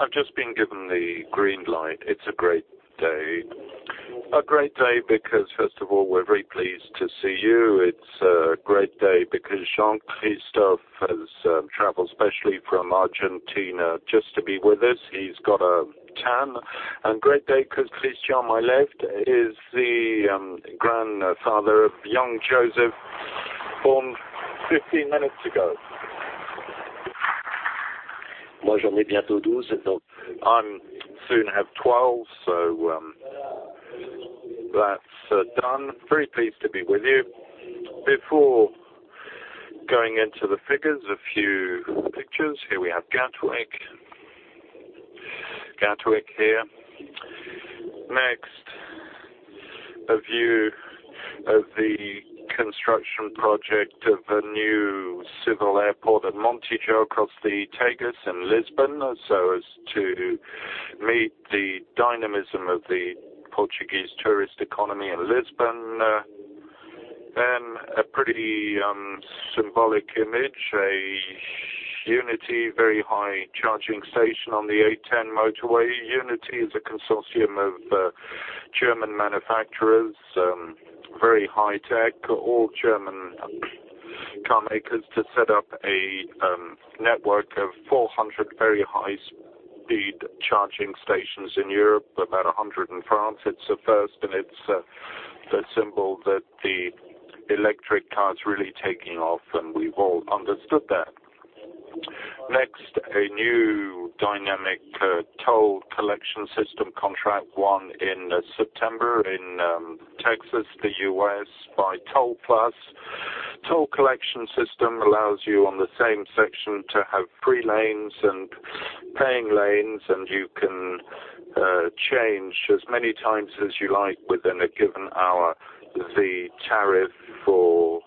I've just been given the green light. It's a great day. A great day because, first of all, we're very pleased to see you. It's a great day because Jean-Christophe Galan has traveled especially from Argentina just to be with us. He's got a tan. Great day because Christian, on my left, is the grandfather of young Joseph, born 15-minutes ago. I soon have 12, so that's done. Very pleased to be with you. Before going into the figures, a few pictures. Here we have Gatwick. Gatwick here. A view of the construction project of a new civil airport at Montijo, across the Tagus in Lisbon, so as to meet the dynamism of the Portuguese tourist economy in Lisbon. A pretty symbolic image, an IONITY very high charging station on the A10 motorway. IONITY is a consortium of German manufacturers, very high tech, all German car makers to set up a network of 400 very high-speed charging stations in Europe, about 100 in France. It's a first, it's a symbol that the electric car is really taking off, we've all understood that. A new dynamic toll collection system contract won in September in Texas, the U.S., by TollPlus. Toll collection system allows you on the same section to have free lanes and paying lanes, and you can change as many times as you like within a given hour the tariff for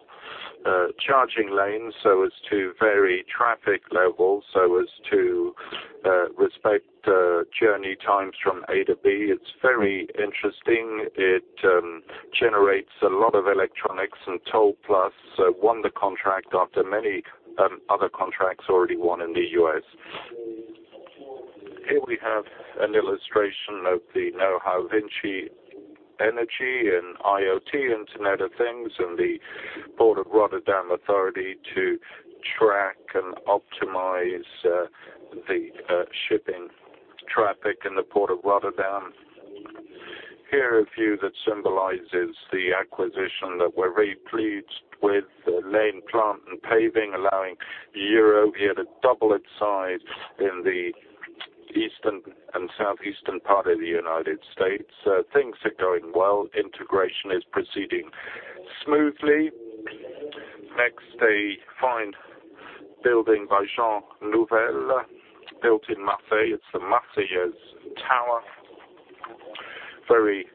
charging lanes, so as to vary traffic levels, so as to respect journey times from A to B. It's very interesting. It generates a lot of electronics, TollPlus won the contract after many other contracts already won in the U.S. Here we have an illustration of the knowhow VINCI Energies and IoT, Internet of Things, and the Port of Rotterdam Authority to track and optimize the shipping traffic in the Port of Rotterdam. Here, a view that symbolizes the acquisition that we're very pleased with Lane Plants and Paving, allowing Eurovia to double its size in the eastern and southeastern part of the United States. Things are going well. Integration is proceeding smoothly. A fine building by Jean Nouvel, built in Marseille. It's the La Marseillaise Tower, very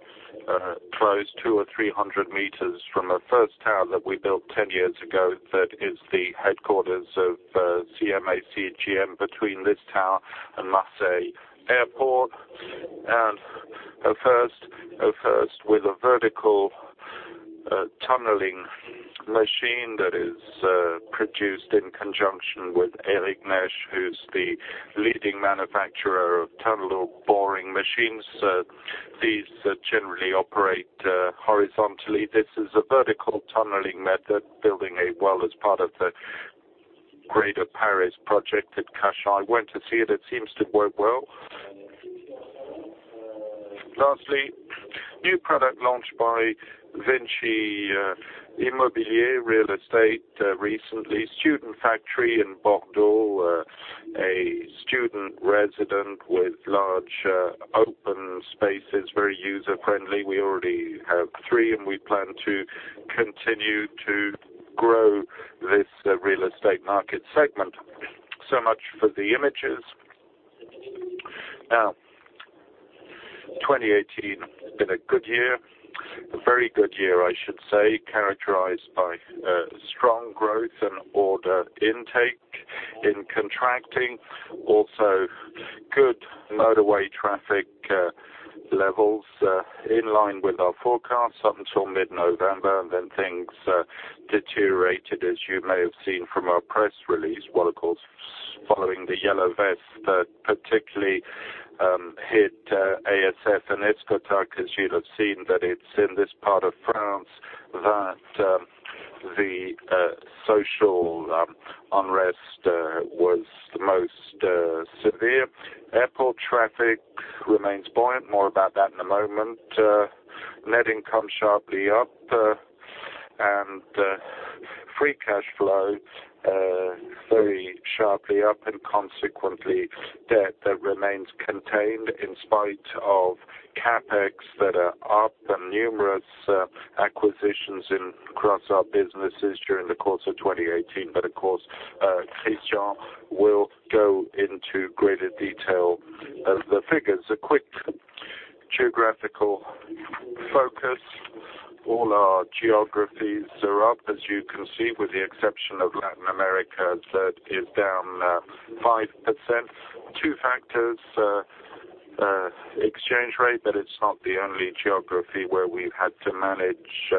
close, 200 or 300 meters from the first tower that we built 10-years ago that is the headquarters of CMA CGM between this tower and Marseille Airport. A first with a vertical tunneling machine that is produced in conjunction with Herrenknecht, who's the leading manufacturer of tunnel boring machines. These generally operate horizontally. This is a vertical tunneling method, building a well as part of the Grand Paris project at Cachan. I went to see it. It seems to work well. New product launched by VINCI Immobilier Real Estate recently, Student Factory in Bordeaux, a student residence with large open spaces, very user-friendly. We already have three, we plan to continue to grow this real estate market segment. Much for the images. 2018 has been a good year. A very good year, I should say, characterized by strong growth and order intake in contracting. Good motorway traffic levels in line with our forecasts up until mid-November, things deteriorated, as you may have seen from our press release. Of course, following the yellow vests that particularly hit ASF and Escota, because you'll have seen that it's in this part of France that the social unrest was the most severe. Airport traffic remains buoyant. More about that in a moment. Net income sharply up, free cash flow very sharply up, consequently, debt remains contained in spite of CapEx that are up and numerous acquisitions across our businesses during the course of 2018. Of course, Christian will go into greater detail of the figures. A quick geographical focus. All our geographies are up, as you can see, with the exception of Latin America, that is down 5%. Two factors. Exchange rate, but it's not the only geography where we've had to manage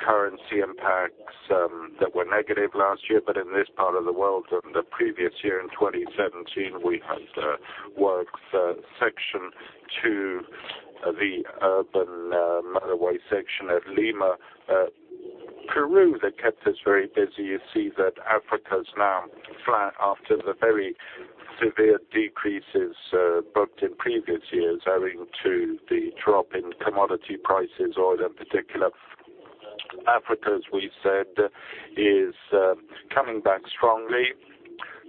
currency impacts that were negative last year. In this part of the world, in the previous year, in 2017, we had works section to the urban motorway section at Lima, Peru, that kept us very busy. You see that Africa is now flat after the very severe decreases booked in previous years owing to the drop in commodity prices, oil in particular. Africa, as we've said, is coming back strongly,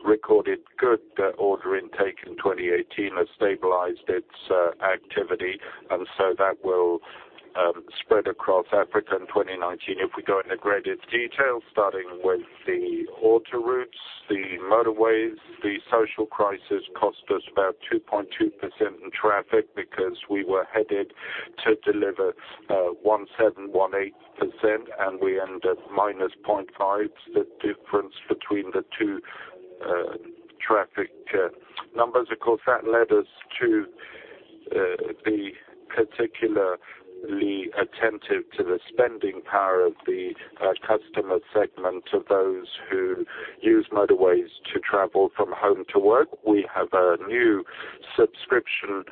recorded good order intake in 2018, has stabilized its activity, that will spread across Africa in 2019. If we go into greater detail, starting with the autoroutes, the motorways, the social crisis cost us about 2.2% in traffic because we were headed to deliver 1.7%, 1.8%, and we end at -0.5%. The difference between the two traffic numbers. Of course, that led us to be particularly attentive to the spending power of the customer segment of those who use motorways to travel from home to work. We have a new subscription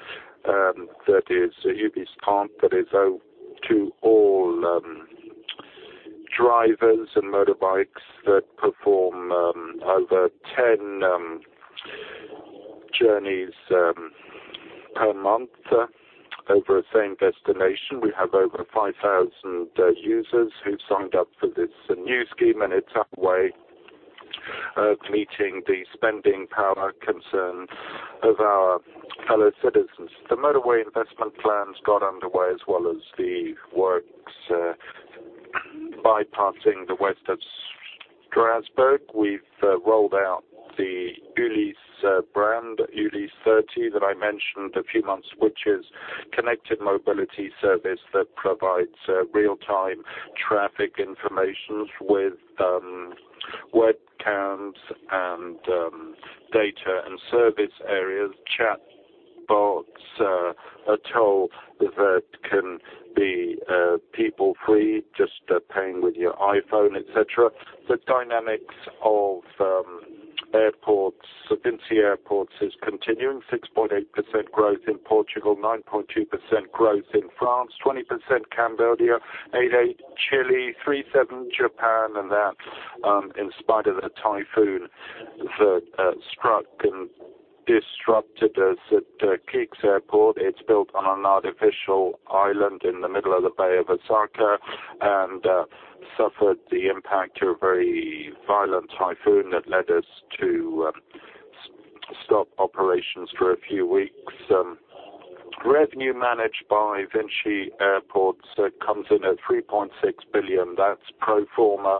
that is Ulys Card that is owed to all drivers and motorbikes that perform over 10 journeys per month over a same destination. We have over 5,000 users who signed up for this new scheme, it's our way of meeting the spending power concern of our fellow citizens. The motorway investment plans got underway as well as the works bypassing the west of Strasbourg. We've rolled out the Ulys brand, Ulys 30 that I mentioned a few months, which is connected mobility service that provides real time traffic informations with webcams and data and service areas, chatbots, a toll that can be free-flow, just paying with your iPhone, et cetera. The dynamics of VINCI Airports is continuing. 6.8% growth in Portugal, 9.2% growth in France, 20% Cambodia, 8.8% Chile, 3.7% Japan, and that in spite of the typhoon that struck and disrupted us at KIX Airport. It's built on an artificial island in the middle of the Bay of Osaka and suffered the impact of a very violent typhoon that led us to stop operations for a few weeks. Revenue managed by VINCI Airports comes in at 3.6 billion. That's pro forma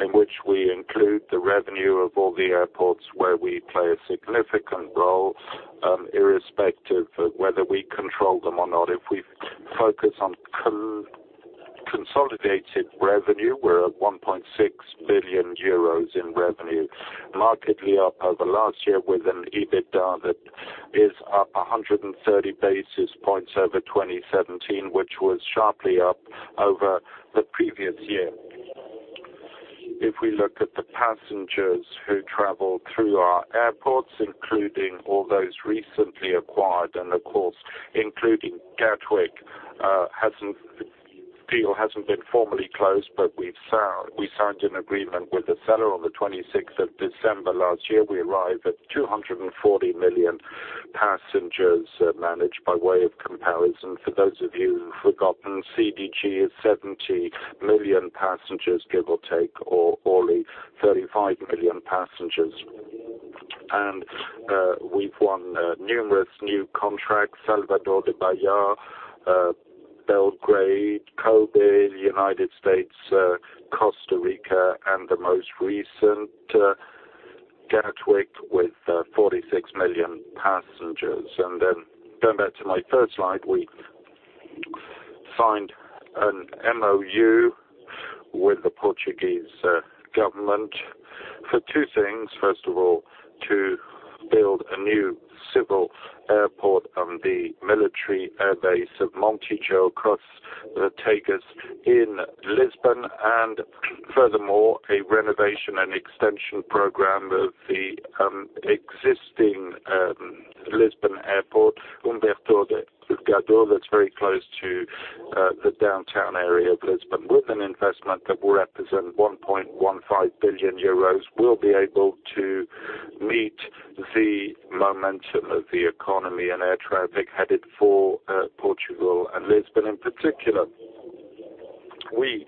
in which we include the revenue of all the airports where we play a significant role, irrespective of whether we control them or not. If we focus on consolidated revenue, we're at 1.6 billion euros in revenue, markedly up over last year with an EBITDA that is up 130 basis points over 2017, which was sharply up over the previous year. If we look at the passengers who travel through our airports, including all those recently acquired, and of course, including Gatwick, deal hasn't been formally closed, but we signed an agreement with the seller on the 26th of December last year. We arrive at 240 million passengers managed. By way of comparison, for those of you who've forgotten, CDG is 70 million passengers, give or take, or Orly, 35 million passengers. We've won numerous new contracts, Salvador de Bahia, Belgrade, Kobe, the United States, Costa Rica, and the most recent, Gatwick with 46 million passengers. Going back to my first slide, we signed an MOU with the Portuguese government for two things. First of all, to build a new civil airport on the military air base of Montijo across the Tagus in Lisbon. Furthermore, a renovation and extension program of the existing Lisbon airport, Humberto Delgado, that's very close to the downtown area of Lisbon. With an investment that will represent 1.15 billion euros, we'll be able to meet the momentum of the economy and air traffic headed for Portugal and Lisbon in particular. We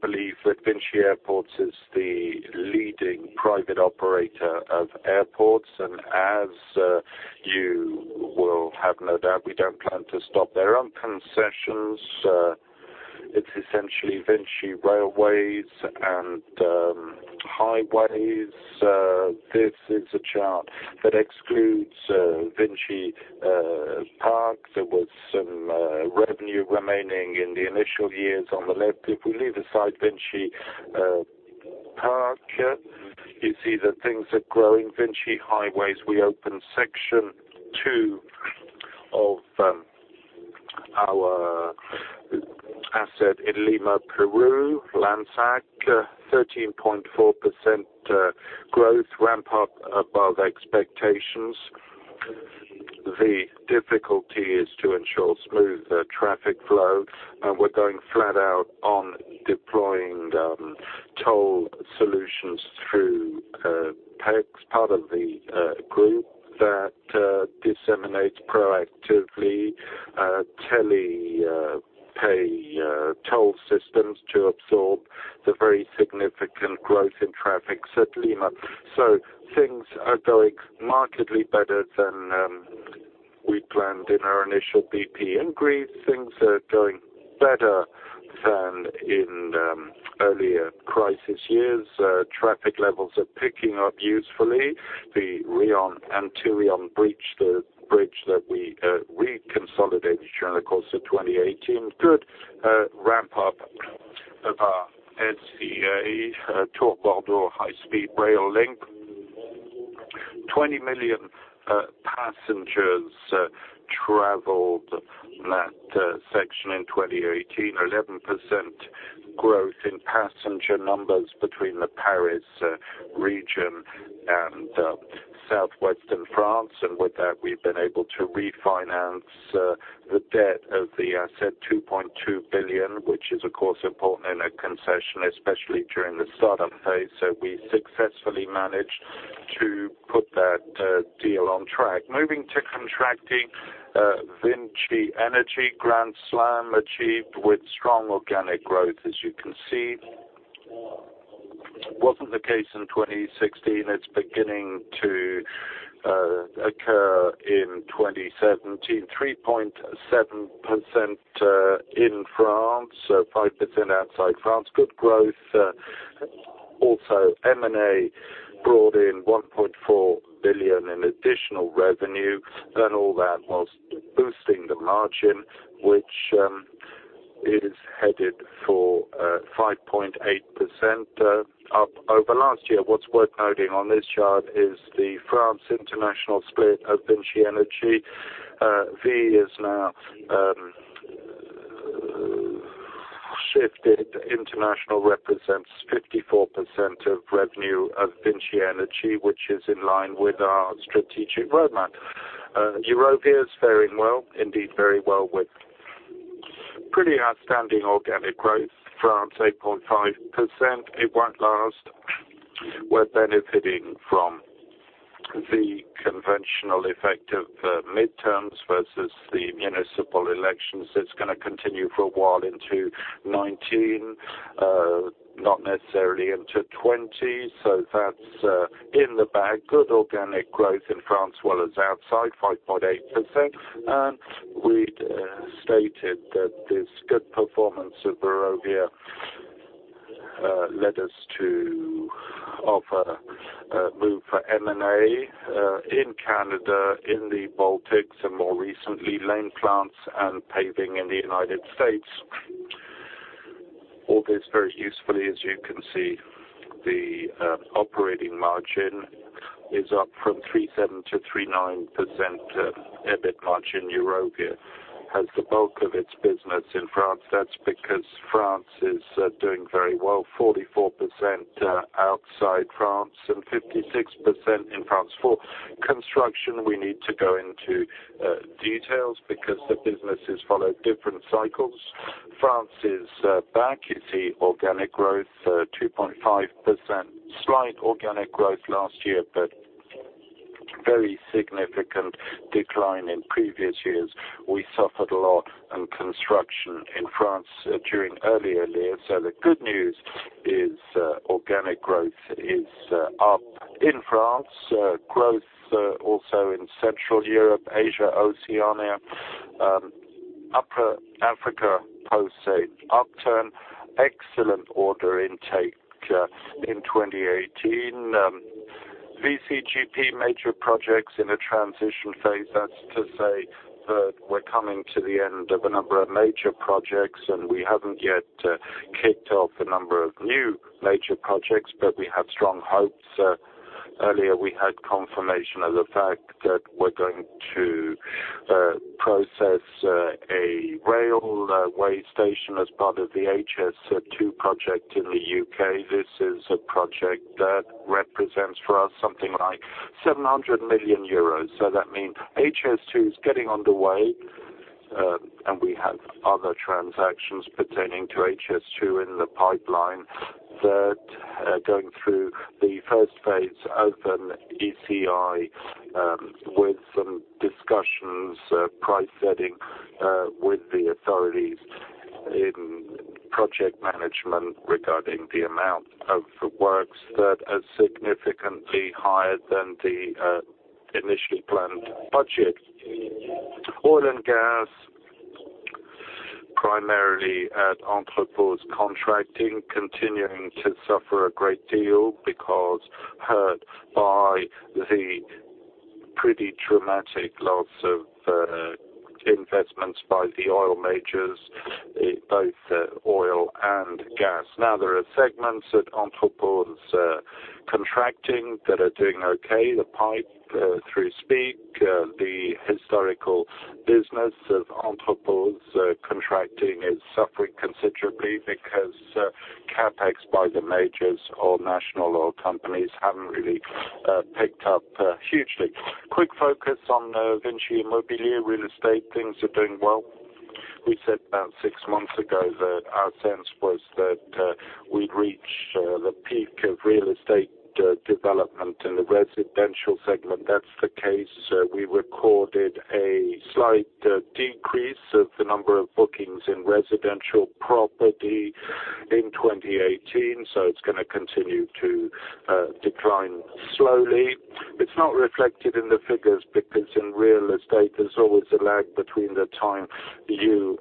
believe that VINCI Airports is the leading private operator of airports, as you will have no doubt, we don't plan to stop there. On concessions, it's essentially VINCI Railways and VINCI Highways. This is a chart that excludes VINCI Park. There was some revenue remaining in the initial years on the left. If we leave aside VINCI Park. You see that things are growing. VINCI Highways, we opened section two of our asset in Lima, Peru. LAMSAC, 13.4% growth ramp up above expectations. The difficulty is to ensure smooth traffic flow, we're going flat out on deploying toll solutions through PEX, part of the group that disseminates proactively tele pay toll systems to absorb the very significant growth in traffic at Lima. Things are going markedly better than we planned in our initial BP. In Greece, things are going better than in earlier crisis years. Traffic levels are picking up usefully. The Rion-Antirion Bridge, the bridge that we reconsolidated during the course of 2018. Good ramp-up of our SEA Tours-Bordeaux high-speed rail link. 20 million passengers traveled that section in 2018. 11% growth in passenger numbers between the Paris region and southwestern France. With that, we've been able to refinance the debt of the asset, 2.2 billion, which is, of course, important in a concession, especially during the start-up phase. We successfully managed to put that deal on track. Moving to contracting, VINCI Energies grand slam achieved with strong organic growth. As you can see, wasn't the case in 2016. It's beginning to occur in 2017, 3.7% in France, 5% outside France. Good growth. Also, M&A brought in 1.4 billion in additional revenue, all that whilst boosting the margin, which is headed for 5.8% up over last year. What's worth noting on this chart is the France international split of VINCI Energies. V has now shifted. International represents 54% of revenue of VINCI Energies, which is in line with our strategic roadmap. Eurovia is faring well, indeed very well, with pretty outstanding organic growth. France, 8.5%. It won't last. We're benefiting from the conventional effect of midterms versus the municipal elections. It's going to continue for a while into 2019, not necessarily into 2020. That's in the bag. Good organic growth in France as well as outside, 5.8%. We stated that this good performance of Eurovia led us to offer a move for M&A in Canada, in the Baltics, and more recently, Lane Plants and Paving in the U.S. All this very usefully, as you can see, the operating margin is up from 3.7%-3.9%. EBIT margin. Eurovia has the bulk of its business in France. That's because France is doing very well, 44% outside France and 56% in France. For construction, we need to go into details because the businesses follow different cycles. France is back. You see organic growth, 2.5%. Slight organic growth last year, but very significant decline in previous years. We suffered a lot in construction in France during earlier years. The good news is organic growth is up in France. Growth also in Central Europe, Asia, Oceania, Upper Africa, post an upturn. Excellent order intake in 2018. VCGP major projects in a transition phase. That's to say that we're coming to the end of a number of major projects, and we haven't yet kicked off a number of new major projects, but we have strong hopes. Earlier, we had confirmation of the fact that we're going to process a railway station as part of the HS2 project in the U.K. This is a project that represents for us something like 700 million euros. That means HS2 is getting underway. We have other transactions pertaining to HS2 in the pipeline that are going through the first phase, open ECI with some discussions, price setting with the authorities in project management regarding the amount of works that are significantly higher than the initially planned budget. Oil and gas, primarily at Entrepose Contracting, continuing to suffer a great deal because hurt by the pretty dramatic loss of investments by the oil majors in both oil and gas. There are segments at Entrepose Contracting that are doing okay. The pipe, through Spiecapag, the historical business of Entrepose Contracting is suffering considerably because CapEx by the majors or national oil companies haven't really picked up hugely. Quick focus on VINCI Immobilier. Real estate things are doing well. We said about six months ago that our sense was that we'd reach the peak of real estate development in the residential segment. That's the case. We recorded a slight decrease of the number of bookings in residential property in 2018, it's going to continue to decline slowly. It's not reflected in the figures because in real estate, there's always a lag between the time you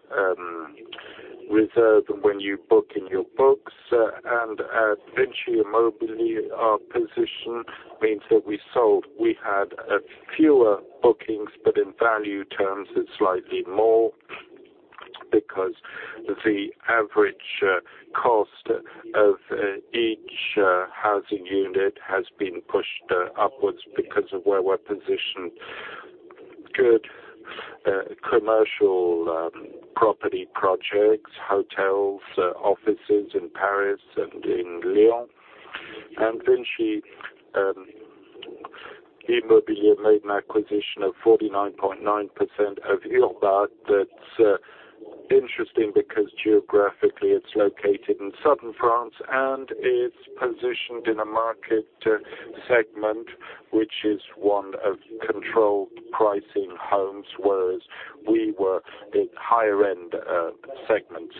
reserve and when you book in your books. At VINCI Immobilier, our position means that we had fewer bookings, but in value terms, it's slightly more because the average cost of each housing unit has been pushed upwards because of where we're positioned. Good commercial property projects, hotels, offices in Paris and in Lyon. VINCI Immobilier made an acquisition of 49.9% of Urbat Promotion. That's interesting because geographically it's located in southern France and is positioned in a market segment, which is one of controlled pricing homes, whereas we were in higher end segments.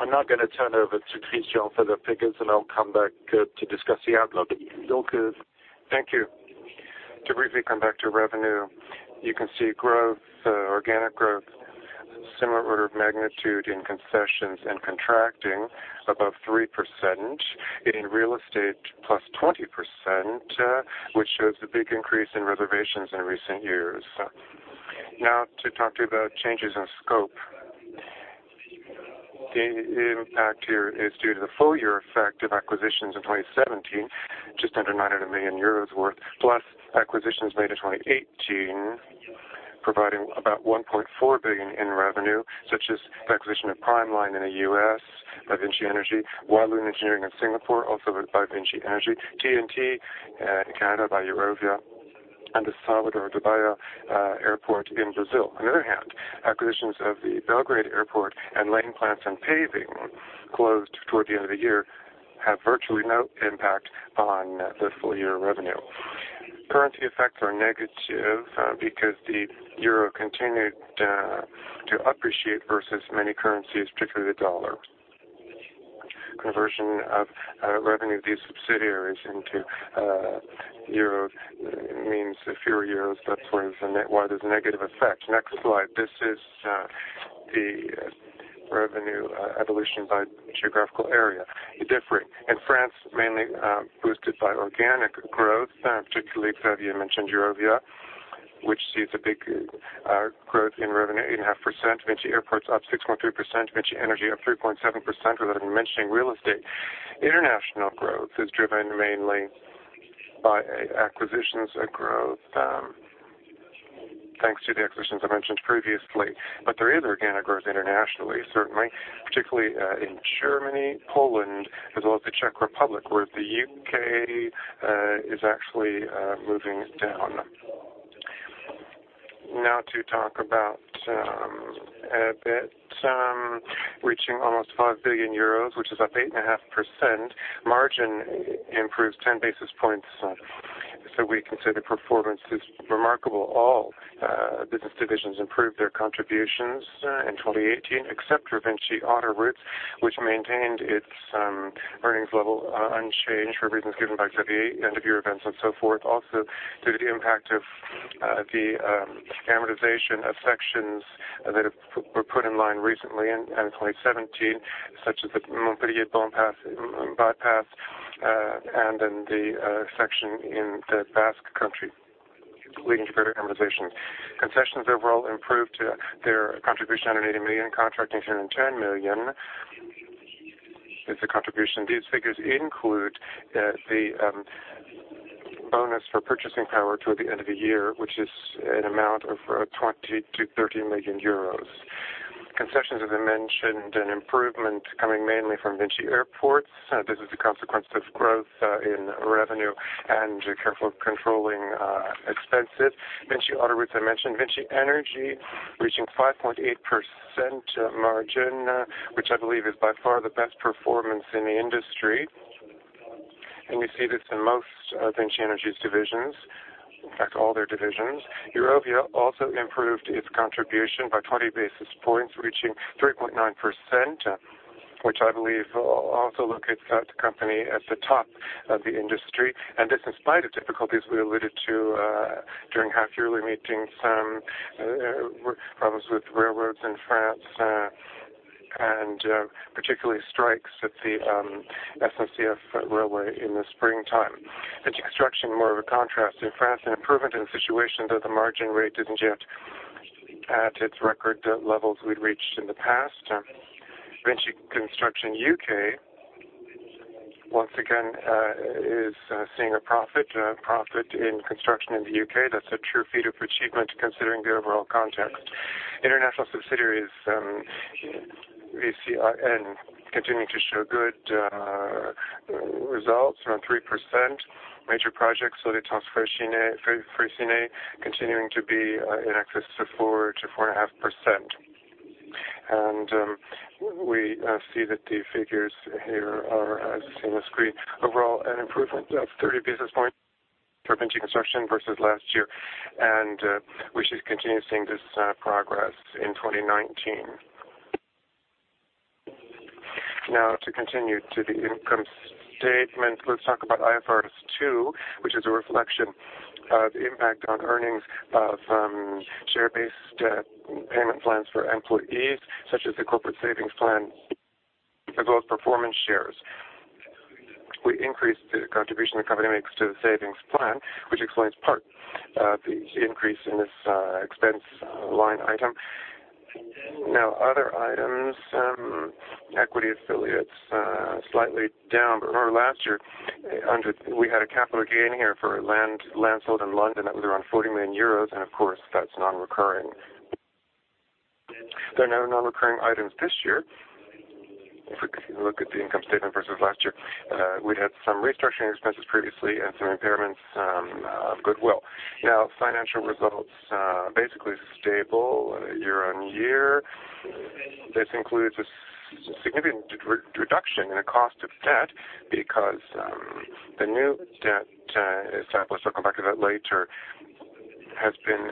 I'm now going to turn over to Christian for the figures, and I'll come back to discuss the outlook. Thank you. To briefly come back to revenue, you can see growth, organic growth, similar order of magnitude in concessions and contracting above 3%, in real estate plus 20%, which shows the big increase in reservations in recent years. To talk to you about changes in scope. The impact here is due to the full year effect of acquisitions in 2017, just under 900 million euros worth, plus acquisitions made in 2018, providing about 1.4 billion in revenue, such as the acquisition of PrimeLine in the U.S. by VINCI Energies, Wah Loon Engineering in Singapore, also by VINCI Energies, TNT in Canada by Eurovia, and the Salvador de Bahia Airport in Brazil. On the other hand, acquisitions of the Belgrade Airport and Lane Plants and Paving closed toward the end of the year have virtually no impact on the full year revenue. Currency effects are negative because the euro continued to appreciate versus many currencies, particularly the dollar. Conversion of revenue of these subsidiaries into euros means fewer euros. That's why there's a negative effect. Next slide. This is the revenue evolution by geographical area. In France, mainly boosted by organic growth, particularly Xavier mentioned Eurovia, which sees a big growth in revenue, 8.5%. VINCI Airports up 6.3%, VINCI Energies up 3.7%, without even mentioning real estate. International growth is driven mainly by acquisitions growth, thanks to the acquisitions I mentioned previously. There is organic growth internationally, certainly, particularly in Germany, Poland, as well as the Czech Republic, whereas the U.K. is actually moving down. To talk about EBIT reaching almost 5 billion euros, which is up 8.5%. Margin improves 10 basis points. We consider performance is remarkable. All business divisions improved their contributions in 2018, except for VINCI Autoroutes, which maintained its earnings level unchanged for reasons given by Xavier, end of year events and so forth. Also due to the impact of the amortization of sections that were put in line recently in 2017, such as the Montpellier bypass, and then the section in the Basque Country, leading to further amortization. Concessions overall improved their contribution at 180 million, contracting 110 million is the contribution. These figures include the bonus for purchasing power toward the end of the year, which is an amount of 20 million-30 million euros. Concessions, as I mentioned, an improvement coming mainly from VINCI Airports. This is a consequence of growth in revenue and careful controlling expenses. VINCI Autoroutes, I mentioned. VINCI Energies reaching 5.8% margin, which I believe is by far the best performance in the industry. We see this in most of VINCI Energies' divisions, in fact, all their divisions. Eurovia also improved its contribution by 20 basis points, reaching 3.9%, which I believe also locates that company at the top of the industry. This in spite of difficulties we alluded to during half yearly meetings, work problems with railroads in France. Particularly strikes at the SNCF railway in the springtime. VINCI Construction, more of a contrast in France, an improvement in the situation, though the margin rate isn't yet at its record levels we'd reached in the past. VINCI Construction U.K., once again, is seeing a profit. A profit in construction in the U.K., that's a true feat of achievement considering the overall context. International subsidiaries we see are continuing to show good results, around 3%. Major projects, Les Transports Franciliens, continuing to be in excess of 4%-4.5%. We see that the figures here are, as you see on the screen, overall an improvement of 30 basis points for VINCI Construction versus last year. We should continue seeing this progress in 2019. To continue to the income statement. Let's talk about IFRS 2, which is a reflection of the impact on earnings of share-based payment plans for employees, such as the corporate savings plan, as well as performance shares. We increased the contribution the company makes to the savings plan, which explains part of the increase in this expense line item. Other items, equity affiliates slightly down. Remember last year, we had a capital gain here for land sold in London that was around 40 million euros, and of course that's non-recurring. There are no non-recurring items this year. If we look at the income statement versus last year, we'd had some restructuring expenses previously and some impairments of goodwill. Financial results basically stable year on year. This includes a significant reduction in the cost of debt because the new debt established, I'll come back to that later, has been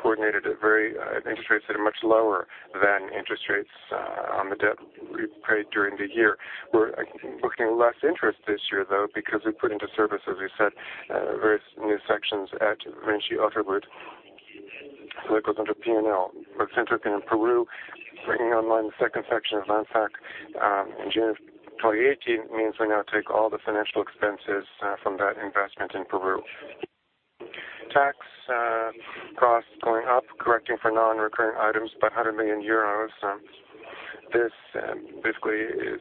coordinated at interest rates that are much lower than interest rates on the debt repaid during the year. We're booking less interest this year, though, because we put into service, as we said, various new sections at VINCI Autoroutes. That goes under P&L. LAMSAC in Peru, bringing online the second section of Línea Amarilla in June of 2018 means we now take all the financial expenses from that investment in Peru. Tax costs going up, correcting for non-recurring items, about 100 million euros. This basically is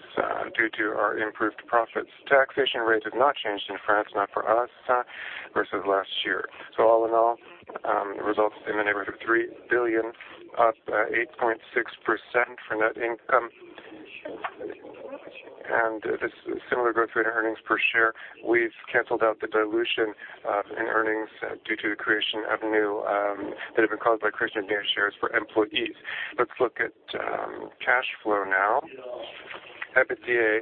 due to our improved profits. Taxation rates have not changed in France, not for us versus last year. All in all, results in the neighborhood of 3 billion, up 8.6% for net income. This similar growth rate in earnings per share. We've canceled out the dilution in earnings due to the creation of new shares for employees. Let's look at cash flow now. EBITDA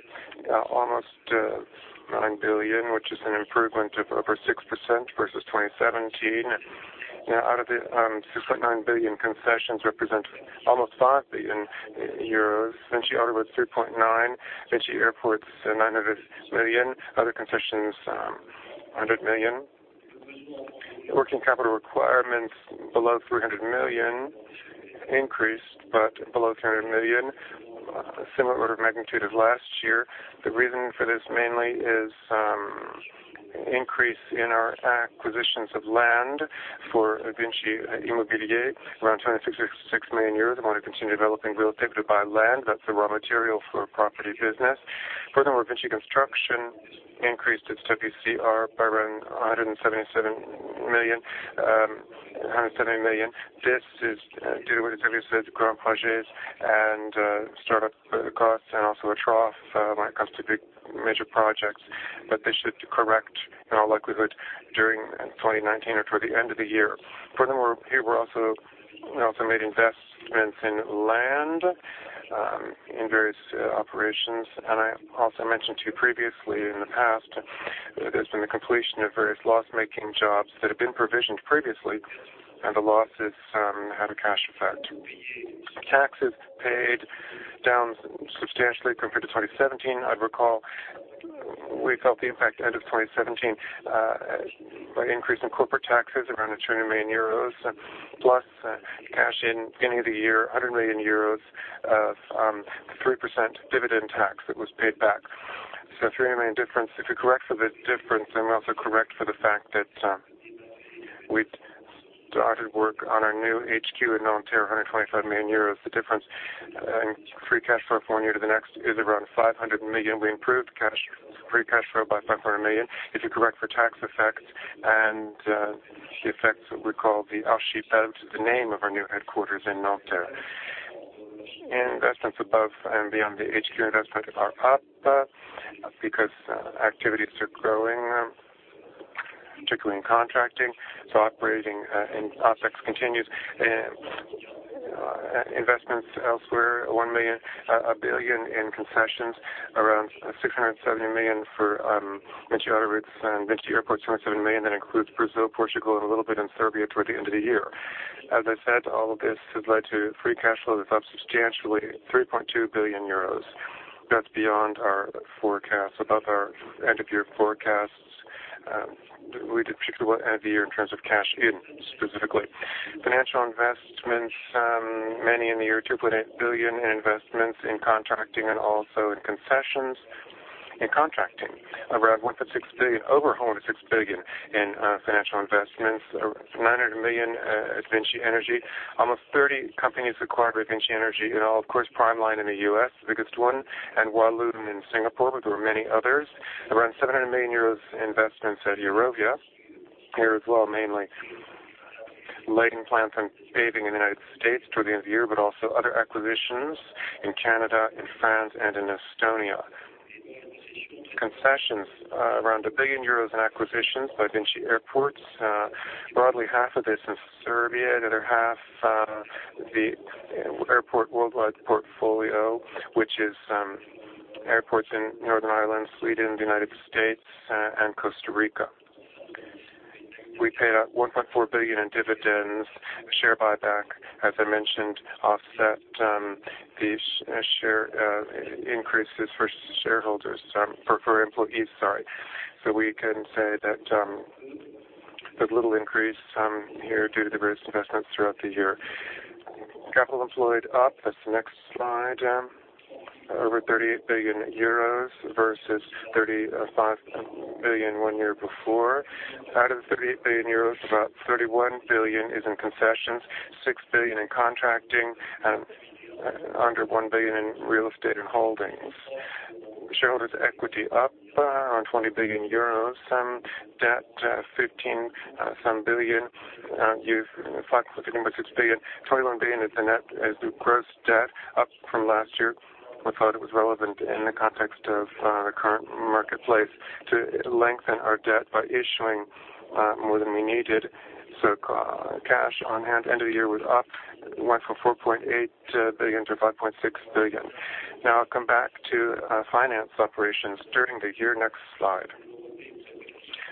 almost 9 billion, which is an improvement of over 6% versus 2017. Out of the 6.9 billion concessions represent almost 5 billion euros. VINCI Autoroutes 3.9, VINCI Airports 900 million, other concessions, 100 million. Working capital requirements below 300 million increased, but below 300 million. A similar order of magnitude as last year. The reason for this mainly is increase in our acquisitions of land for VINCI Immobilier, around 266 million euros. If we want to continue developing real estate, we buy land. That's the raw material for our property business. Furthermore, VINCI Construction increased its WCR by around 177 million. This is due to what I told you, Grands Projets and startup costs, and also a trough when it comes to big major projects. This should correct in all likelihood during 2019 or toward the end of the year. Furthermore, we also made investments in land in various operations. I also mentioned to you previously in the past, there's been the completion of various loss-making jobs that have been provisioned previously, and the losses had a cash effect. Taxes paid down substantially compared to 2017. I'd recall we felt the effect end of 2017 by increase in corporate taxes around 200 million euros, plus cash in beginning of the year, 100 million euros of 3% dividend tax that was paid back. 300 million difference. If you correct for the difference, we also correct for the fact that we started work on our new HQ in Nanterre, 125 million euros is the difference. Free cash flow from one year to the next is around 500 million. We improved free cash flow by 500 million. If you correct for tax effects and the effects of what we call L'archipel, which is the name of our new headquarters in Nanterre. Investments above and beyond the HQ investment are up because activities are growing, particularly in contracting. Operating in OpEx continues. Investments elsewhere, 1 billion in concessions, around 670 million for VINCI Autoroutes and VINCI Airports, 270 million. That includes Brazil, Portugal, and a little bit in Serbia toward the end of the year. As I said, all of this has led to free cash flow that's up substantially, 3.2 billion euros. That's beyond our forecasts, above our end of year forecasts. We did particularly well at the year in terms of cash in specifically. Financial investments, many in the year, 2.8 billion in investments in contracting and also in concessions. In contracting, around 1.6 billion, over 1.6 billion in financial investments. 900 million at VINCI Energies. Almost 30 companies acquired with VINCI Energies, and all, of course, PrimeLine in the U.S., the biggest one, and Wah Loon in Singapore, but there were many others. Around 700 million euros investments at Eurovia. Here as well, mainly Lane Plants and Paving in the U.S. toward the end of the year, but also other acquisitions in Canada, in France, and in Estonia. Concessions, around 1 billion euros in acquisitions by VINCI Airports. Broadly half of this in Serbia, the other half the Airports Worldwide portfolio, which is airports in Northern Ireland, Sweden, the U.S., and Costa Rica. We paid out 1.4 billion in dividends, share buyback, as I mentioned, offset the share increases for employees. We can say that there's little increase here due to the various investments throughout the year. Capital employed up. That's the next slide. Over 38 billion euros versus 35 billion one year before. Out of the 38 billion euros, about 31 billion is in concessions, 6 billion in contracting, and under 1 billion in real estate and holdings. Shareholders equity up around 20 billion euros. Some debt, 15-some billion. 6 billion. 21 billion is the gross debt up from last year. We thought it was relevant in the context of the current marketplace to lengthen our debt by issuing more than we needed. Cash on hand end of the year was up. Went from 4.8 billion-5.6 billion. I'll come back to finance operations during the year. Next slide.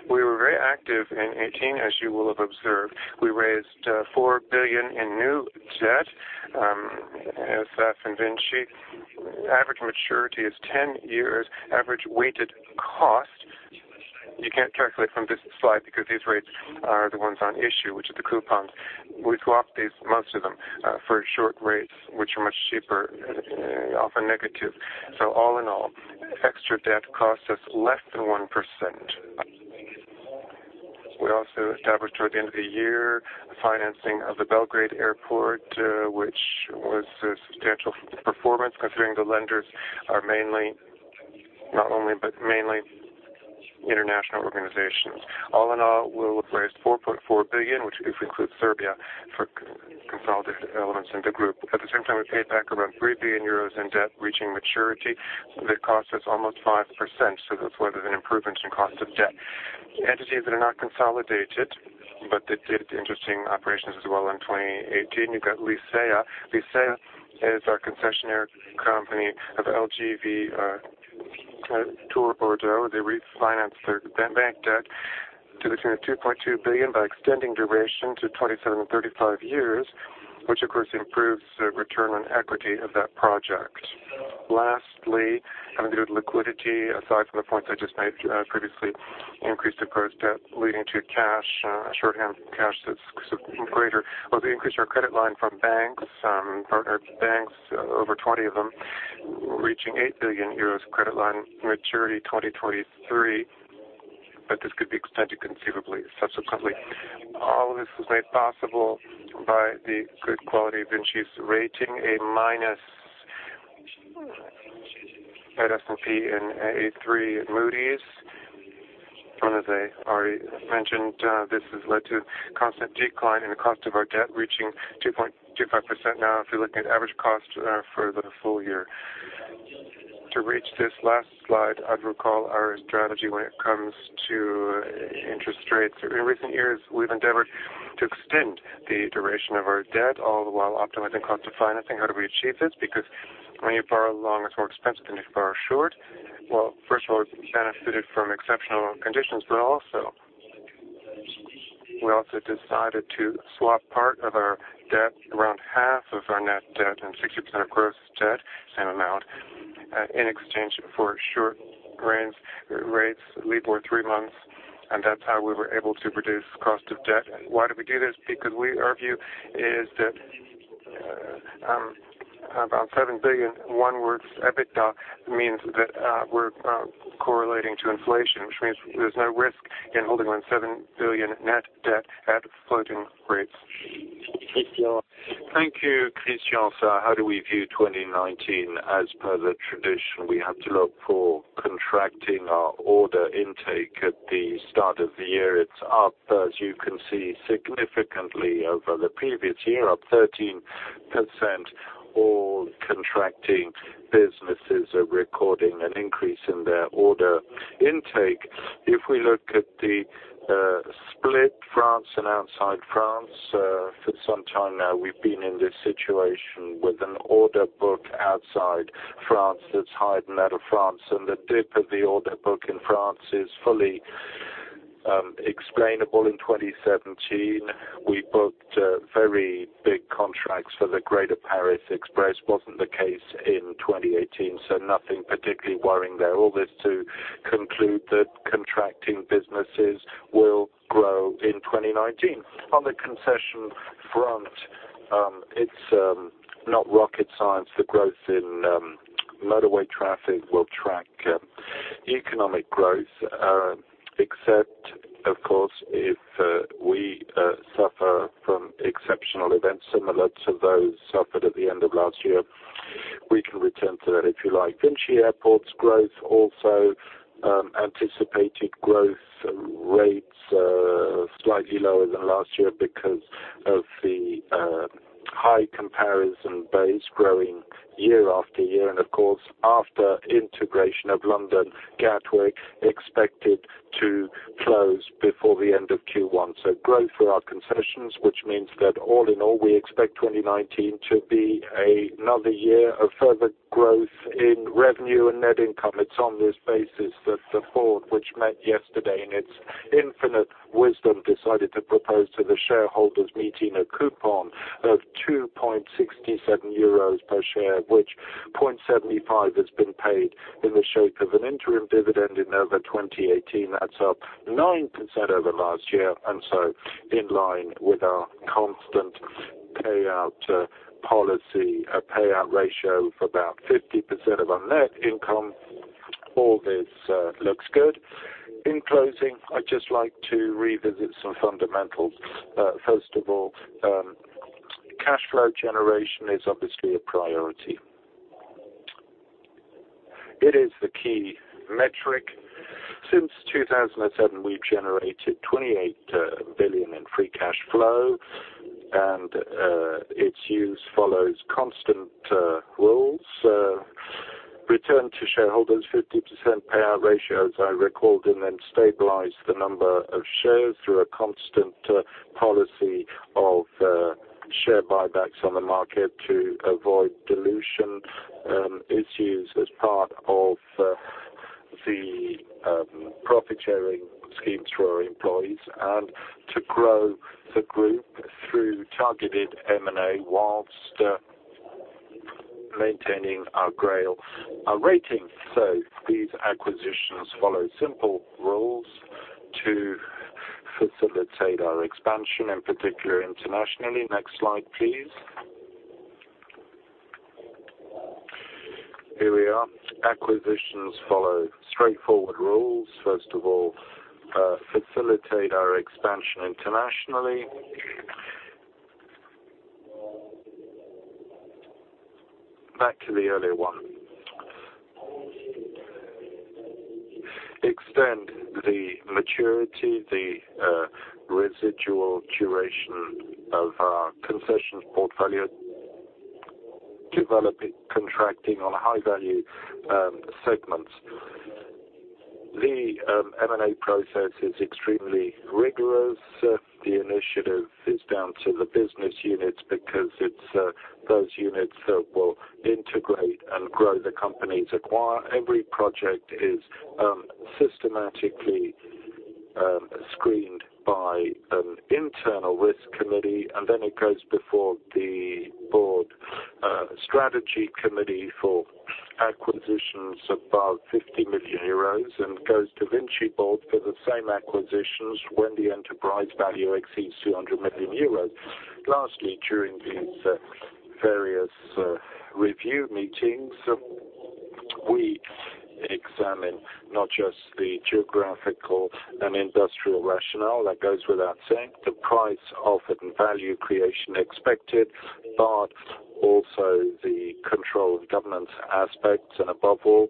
We were very active in 2018, as you will have observed. We raised 4 billion in new debt, as that's in VINCI. Average maturity is 10-years. Average weighted cost, you can't calculate from this slide because these rates are the ones on issue, which are the coupons. We swap these, most of them, for short rates, which are much cheaper, often negative. All in all, extra debt cost us less than 1%. We also established toward the end of the year the financing of the Belgrade Airport, which was a substantial performance considering the lenders are mainly, not only but mainly, international organizations. All in all, we raised 4.4 billion, which if we include Serbia, for consolidated elements in the group. At the same time, we paid back around 3 billion euros in debt, reaching maturity that cost us almost 5%. That's where there's an improvement in cost of debt. Entities that are not consolidated, but that did interesting operations as well in 2018. You've got LISEA. LISEA is our concessionaire company of LGV Tours-Bordeaux. They refinanced their bank debt to the tune of 2.2 billion by extending duration to 27 and 35-years, which of course improves the return on equity of that project. Lastly, having good liquidity, aside from the points I just made previously, increased the gross debt, leading to cash, shorthand cash that's greater. We increased our credit line from banks, partnered banks, over 20 of them, reaching 8 billion euros credit line maturity 2023, but this could be extended conceivably subsequently. All of this was made possible by the good quality of VINCI's rating, A- at S&P and A3 at Moody's. As I already mentioned, this has led to constant decline in the cost of our debt, reaching 2.25% now if you're looking at average cost for the full year. To reach this last slide, I'd recall our strategy when it comes to interest rates. In recent years, we've endeavored to extend the duration of our debt, all the while optimizing cost of financing. How do we achieve this? When you borrow long, it's more expensive than if you borrow short. First of all, it benefited from exceptional conditions, we also decided to swap part of our debt, around half of our net debt and 60% of gross debt, same amount, in exchange for short rates, LIBOR three months. That's how we were able to reduce cost of debt. Why do we do this? Our view is that about 7 billion, one worth EBITDA, means that we're correlating to inflation, which means there's no risk in holding on 7 billion net debt at floating rates. Thank you, Christian. How do we view 2019? As per the tradition, we have to look for contracting our order intake at the start of the year. It's up, as you can see, significantly over the previous year, up 13%. All contracting businesses are recording an increase in their order intake. If we look at the split, France and outside France, for some time now we've been in this situation with an order book outside France that's higher than that of France, and the dip of the order book in France is fully explainable. In 2017, we booked very big contracts for the Grand Paris Express. Wasn't the case in 2018, nothing particularly worrying there. All this to conclude that contracting businesses will grow in 2019. On the concession front, it's not rocket science. The growth in motorway traffic will track economic growth, except, of course, if we suffer from exceptional events similar to those suffered at the end of last year. We can return to that if you like. VINCI Airports growth also anticipated growth rates are slightly lower than last year because of the high comparison base growing year-after-year. Of course, after integration of London Gatwick expected to close before the end of Q1. Growth for our concessions, which means that all in all, we expect 2019 to be another year of further growth in revenue and net income. On this basis that the board, which met yesterday in its infinite wisdom, decided to propose to the shareholders meeting a coupon of 2.67 euros per share, which 0.75 has been paid in the shape of an interim dividend in November 2018. That's up 9% over last year. In line with our constant payout policy, a payout ratio of about 50% of our net income. All this looks good. In closing, I'd just like to revisit some fundamentals. First of all, cash flow generation is obviously a priority. It is the key metric. Since 2007, we've generated 28 billion in free cash flow, and its use follows constant rules. Return to shareholders, 50% payout ratio, as I recalled. Then stabilize the number of shares through a constant policy of share buybacks on the market to avoid dilution issues as part of the profit-sharing schemes for our employees, to grow the group through targeted M&A whilst maintaining our Grail, our rating. These acquisitions follow simple rules to facilitate our expansion, particularly internationally. Next slide, please. Here we are. Acquisitions follow straightforward rules. First of all, facilitate our expansion internationally. Back to the earlier one. Extend the maturity, the residual duration of our concessions portfolio. Develop it, contracting on high-value segments. The M&A process is extremely rigorous. The initiative is down to the business units because it's those units that will integrate and grow the company's acquire. Every project is systematically screened by an internal risk committee. Then it goes before the board strategy committee for acquisitions above 50 million euros, goes to VINCI board for the same acquisitions when the enterprise value exceeds 200 million euros. Lastly, during these various review meetings, we examine not just the geographical and industrial rationale, that goes without saying, the price offered and value creation expected, but also the control of governance aspects. Above all,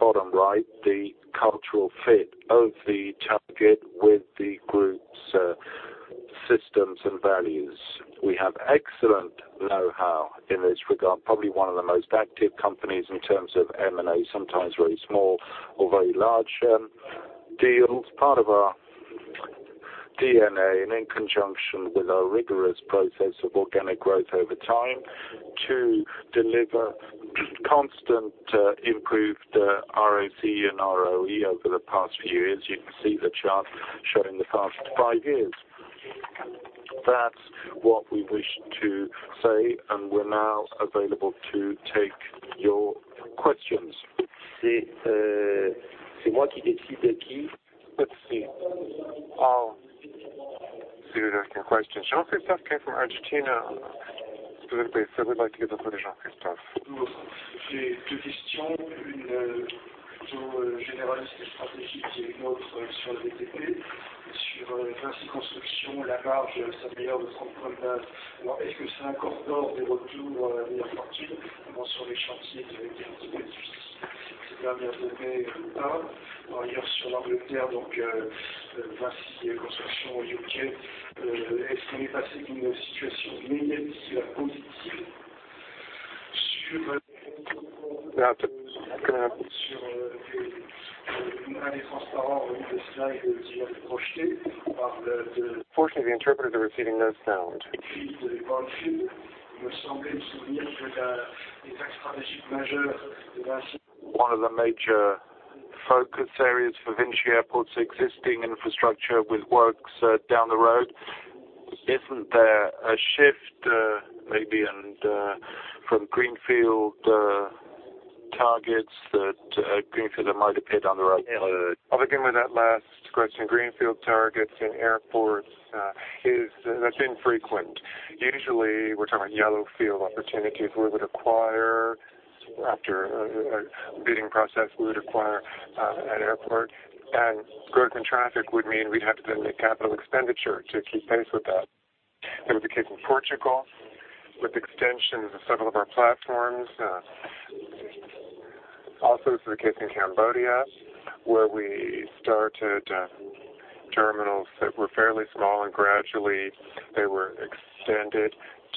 bottom right, the cultural fit of the target with the group's systems and values. We have excellent know-how in this regard. Probably one of the most active companies in terms of M&A, sometimes very small or very large deals. Part of our DNA. In conjunction with our rigorous process of organic growth over time, to deliver constant improved ROC and ROE over the past five years. You can see the chart showing the past five years. That's what we wish to say. We're now available to take your questions. Let's see. I'll see who's asking questions. Jean-Christophe Galan from Argentina. Please, if you would like to go to Jean-Christophe Galan, CM-CIC Market Solutions. Unfortunately, the interpreters are receiving no sound. One of the major focus areas for VINCI Airports existing infrastructure with works down the road. Isn't there a shift, maybe from greenfield targets that might appear down the road? I'll begin with that last question. Greenfield targets in airports, that's infrequent. Usually, we're talking about yellow field opportunities where after a bidding process, we would acquire an airport, and growth in traffic would mean we'd have to then make capital expenditure to keep pace with that. That was the case in Portugal with extensions of several of our platforms. Also is the case in Cambodia, where we started terminals that were fairly small, and gradually they were extended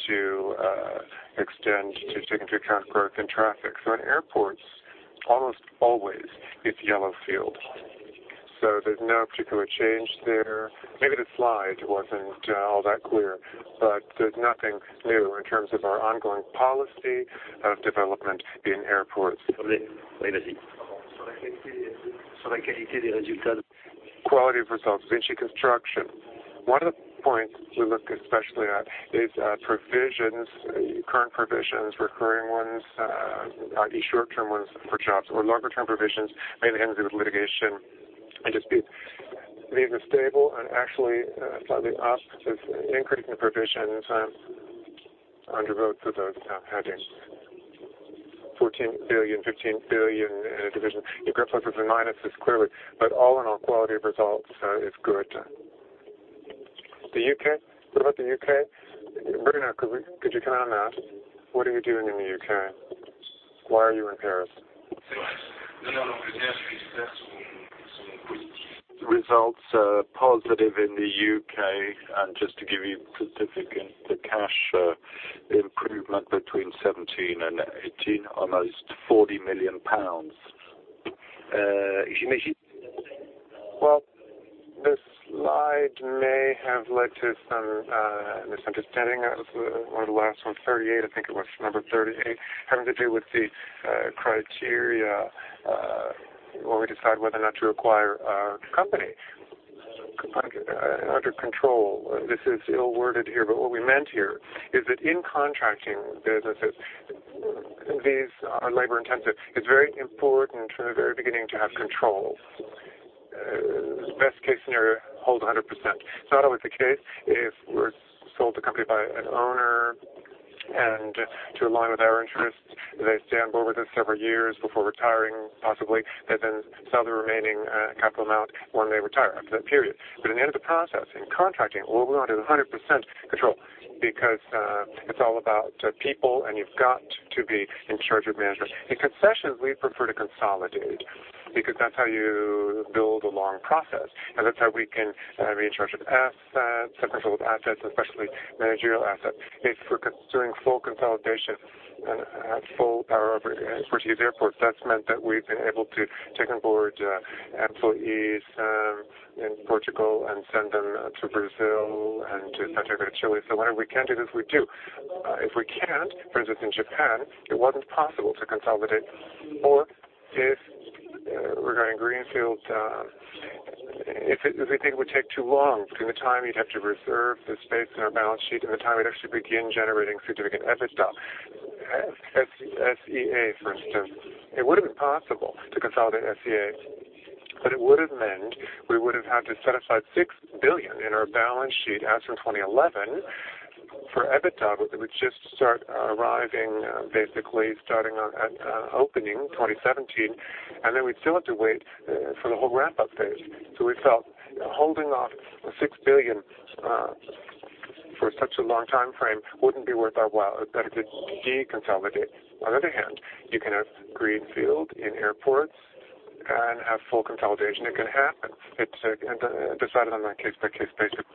to take into account growth and traffic. In airports, almost always it's yellow field. There's no particular change there. Maybe the slide wasn't all that clear, but there's nothing new in terms of our ongoing policy of development in airports. Quality of results, VINCI Construction. One of the points we look especially at is provisions, current provisions, recurring ones, i.e., short-term ones for jobs or longer-term provisions, mainly having to do with litigation and disputes. These are stable and actually slightly up. There's an increase in provisions under both of those headings. 14 billion, 15 billion in a division, you grab pluses and minuses clearly, but all in all, quality of results is good. The U.K. What about the U.K.? Bruno, could you comment on that? What are you doing in the U.K.? Why are you in Paris? Results are positive in the U.K. Just to give you significant, the cash improvement between 2017 and 2018, almost GBP 40 million. Well, the slide may have led to some misunderstanding. It was one of the last ones, 38, I think it was number 38, having to do with the criteria when we decide whether or not to acquire a company. Under control. This is ill-worded here, but what we meant here is that in contracting businesses, these are labor-intensive. It's very important from the very beginning to have control. Best-case scenario, hold 100%. It's not always the case. If we're sold the company by an owner and to align with our interests, they stay on board with us several years before retiring, possibly, they then sell the remaining capital amount when they retire after that period. At the end of the process, in contracting, what we want is 100% control because it's all about people, and you've got to be in charge of management. In concessions, we prefer to consolidate because that's how you build a long process, and that's how we can be in charge of assets and control of assets, especially managerial assets. If we're considering full consolidation at full power over expertise airports, that's meant that we've been able to take on board employees in Portugal and send them to Brazil and to Chile. Whenever we can do this, we do. If we can't, for instance, in Japan, it wasn't possible to consolidate. Or regarding greenfield, if we think it would take too long between the time you'd have to reserve the space in our balance sheet and the time we'd actually begin generating significant EBITDA. SEA, for instance. It would have been possible to consolidate SEA, but it would have meant we would have had to set aside 6 billion in our balance sheet as from 2011 for EBITDA, that would just start arriving, basically starting at opening 2017, and then we'd still have to wait for the whole ramp-up phase. We felt holding off 6 billion for such a long timeframe wouldn't be worth our while. It was better to deconsolidate. On the other hand, you can have greenfield in airports and have full consolidation. It can happen. It's decided on a case-by-case basis.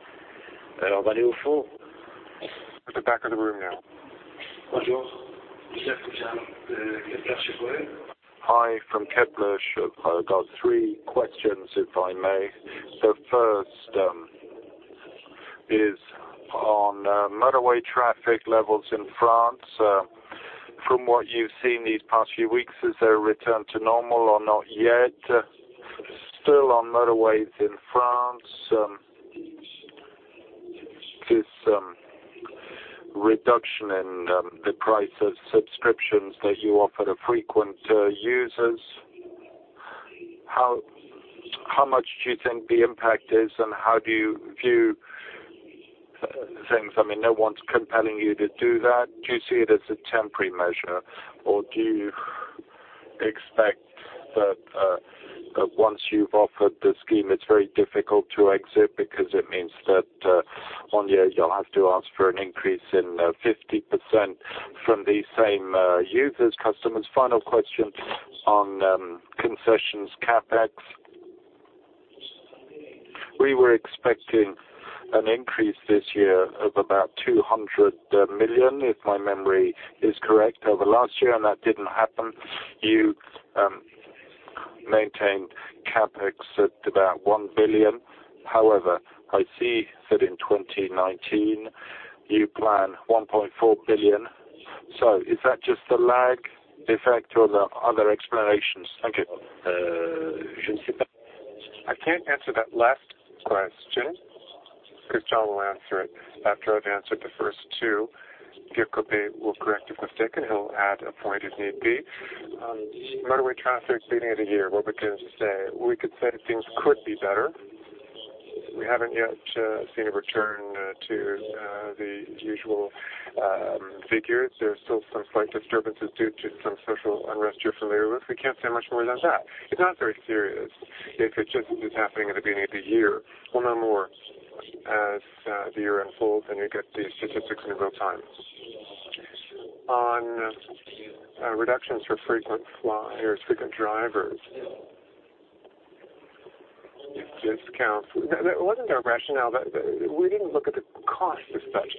At the back of the room now. Bonjour. Josep Pujal from Kepler Cheuvreux. Hi from Kepler. I've got three questions, if I may. First is on motorway traffic levels in France. From what you've seen these past few weeks, has there a return to normal or not yet? Still on motorways in France, this reduction in the price of subscriptions that you offer to frequent users. How much do you think the impact is, and how do you view things? No one's compelling you to do that. Do you see it as a temporary measure, or do you expect that once you've offered the scheme, it's very difficult to exit because it means that you'll have to ask for an increase in 50% from these same users, customers. Final question on concessions CapEx. We were expecting an increase this year of about 200 million, if my memory is correct, over last year, and that didn't happen. You maintain CapEx at about 1 billion. I see that in 2019, you plan 1.4 billion. Is that just a lag effect or are there other explanations? Thank you. I cannot answer that last question, because Christian will answer it after I have answered the first two. Pierre will correct if I have mistaken, he will add a point if need be. Motorway traffic beginning of the year, what we can say? We could say that things could be better. We have not yet seen a return to the usual figures. There is still some slight disturbances due to some social unrest you are familiar with. We cannot say much more than that. It is not very serious. It just is happening at the beginning of the year. We will know more as the year unfolds and you get the statistics in real time. On reductions for frequent flyers, frequent drivers, discounts. It was not our rationale. We did not look at the cost as such.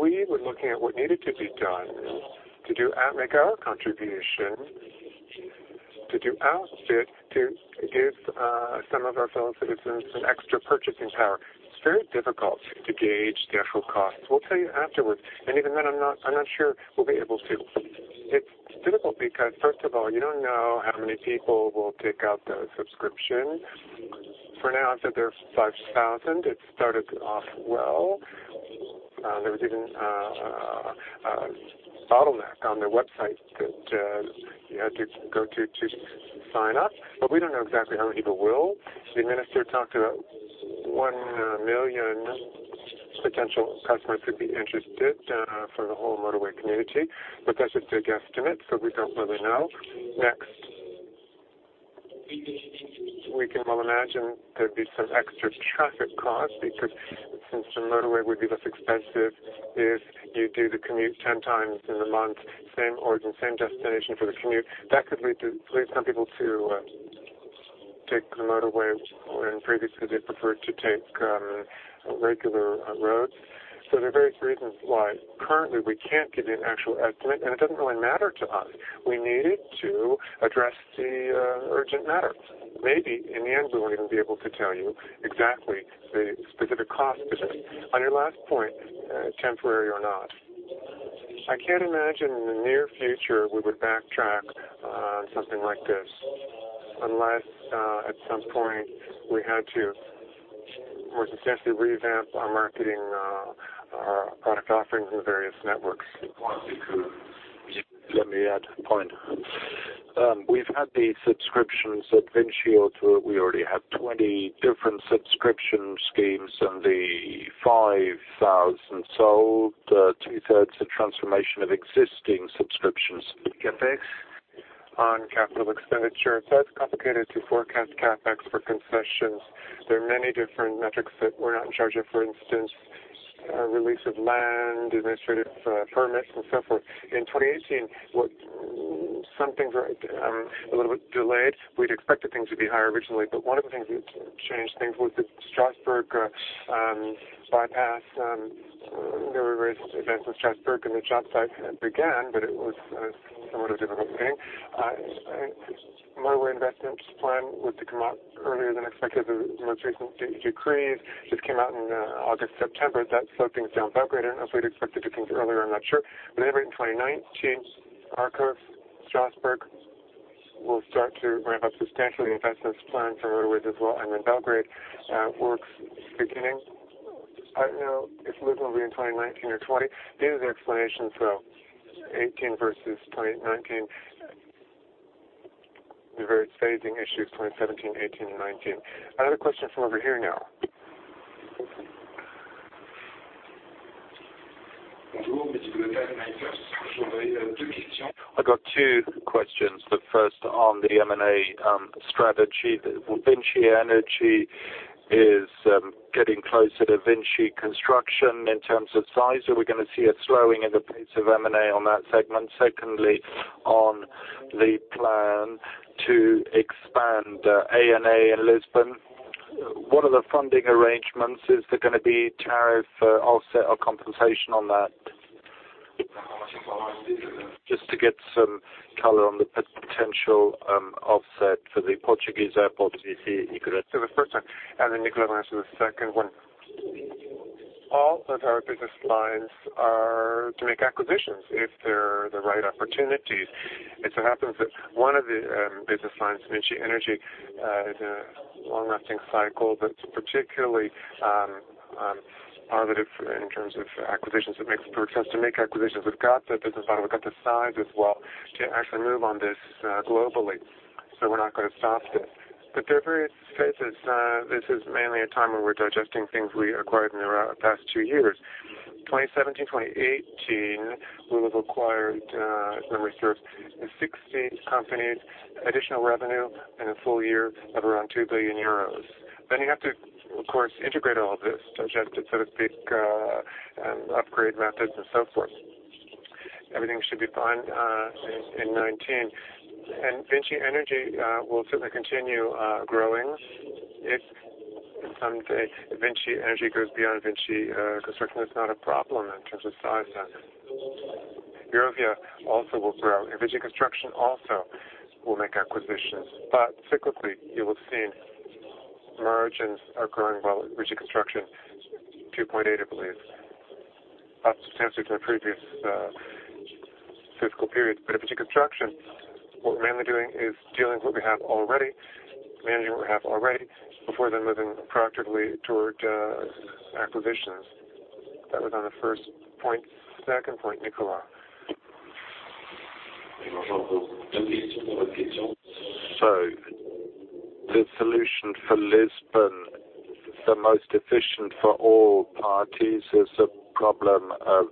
We were looking at what needed to be done to make our contribution, to do our bit, to give some of our fellow citizens some extra purchasing power. It is very difficult to gauge the actual costs. We will tell you afterwards, and even then, I am not sure we will be able to. It is difficult because first of all, you do not know how many people will take out the subscription. For now, I have said there is 5,000. It started off well. There was even a bottleneck on their website that you had to go to sign up. We do not know exactly how many people will. The minister talked about one million potential customers could be interested for the whole motorway community, that is just a guesstimate, so we do not really know. We can well imagine there would be some extra traffic costs, because since the motorway would be less expensive if you do the commute 10 times in a month, same origin, same destination for the commute, that could lead some people to take the motorway when previously they preferred to take regular roads. There are various reasons why currently we cannot give you an actual estimate, and it does not really matter to us. We needed to address the urgent matter. Maybe in the end, we will not even be able to tell you exactly the specific cost of this. On your last point, temporary or not. I cannot imagine in the near future we would backtrack on something like this. Unless, at some point, we had to more substantially revamp our marketing, our product offerings in the various networks. Let me add a point. We've had the subscriptions at VINCI Autoroutes. We already have 20 different subscription schemes and the 5,000 sold, two-thirds a transformation of existing subscriptions. CapEx on capital expenditure. It's always complicated to forecast CapEx for concessions. There are many different metrics that we're not in charge of, for instance, release of land, administrative permits, and so forth. In 2018, some things are a little bit delayed. We'd expected things to be higher originally, one of the things that changed things was the Strasbourg bypass. There were events in Strasbourg, and the job site had began, it was somewhat of a difficult thing. Motorway investments plan was to come out earlier than expected. The most recent decrees just came out in August, September. That slowed things down. I don't know if we'd expected things earlier, I'm not sure. Anyway, in 2019, Arcos, Strasbourg will start to ramp up substantially investments plans for motorways as well. Belgrade works beginning. I don't know if Lisbon will be in 2019 or 2020. These are the explanations for 2018 versus 2019. They're very staging issues, 2017, 2018, and 2019. Another question from over here now. I've got two questions, the first on the M&A strategy. VINCI Energies is getting closer to VINCI Construction in terms of size. Are we going to see a slowing in the pace of M&A on that segment? Secondly, on the plan to expand ANA in Lisbon, what are the funding arrangements? Is there going to be tariff offset or compensation on that? Just to get some color on the potential offset for the Portuguese airport. I'll answer the first one. Nicolas will answer the second one. All of our business lines are to make acquisitions if they're the right opportunities. It so happens that one of the business lines, VINCI Energies, is a long-lasting cycle that's particularly positive in terms of acquisitions. It makes perfect sense to make acquisitions. We've got the business model, we've got the size as well to actually move on this globally. We're not going to stop this. There are various phases. This is mainly a time when we're digesting things we acquired in the past two years. 2017, 2018, we have acquired, if memory serves, 60 companies, additional revenue in a full year of around 2 billion euros. Then you have to, of course, integrate all of this, digest it, so to speak, upgrade methods and so forth. Everything should be fine in 2019. VINCI Energies will certainly continue growing. Some day, if VINCI Energies goes beyond VINCI Construction, it's not a problem in terms of size then. Eurovia also will grow. VINCI Construction also will make acquisitions, cyclically, you will see margins are growing. VINCI Construction, 2.8%, I believe, up substantially to our previous fiscal period. At VINCI Construction, what we're mainly doing is dealing with what we have already, managing what we have already before then moving proactively toward acquisitions. That was on the first point. Second point, Nicolas. The solution for Lisbon, the most efficient for all parties, is a problem of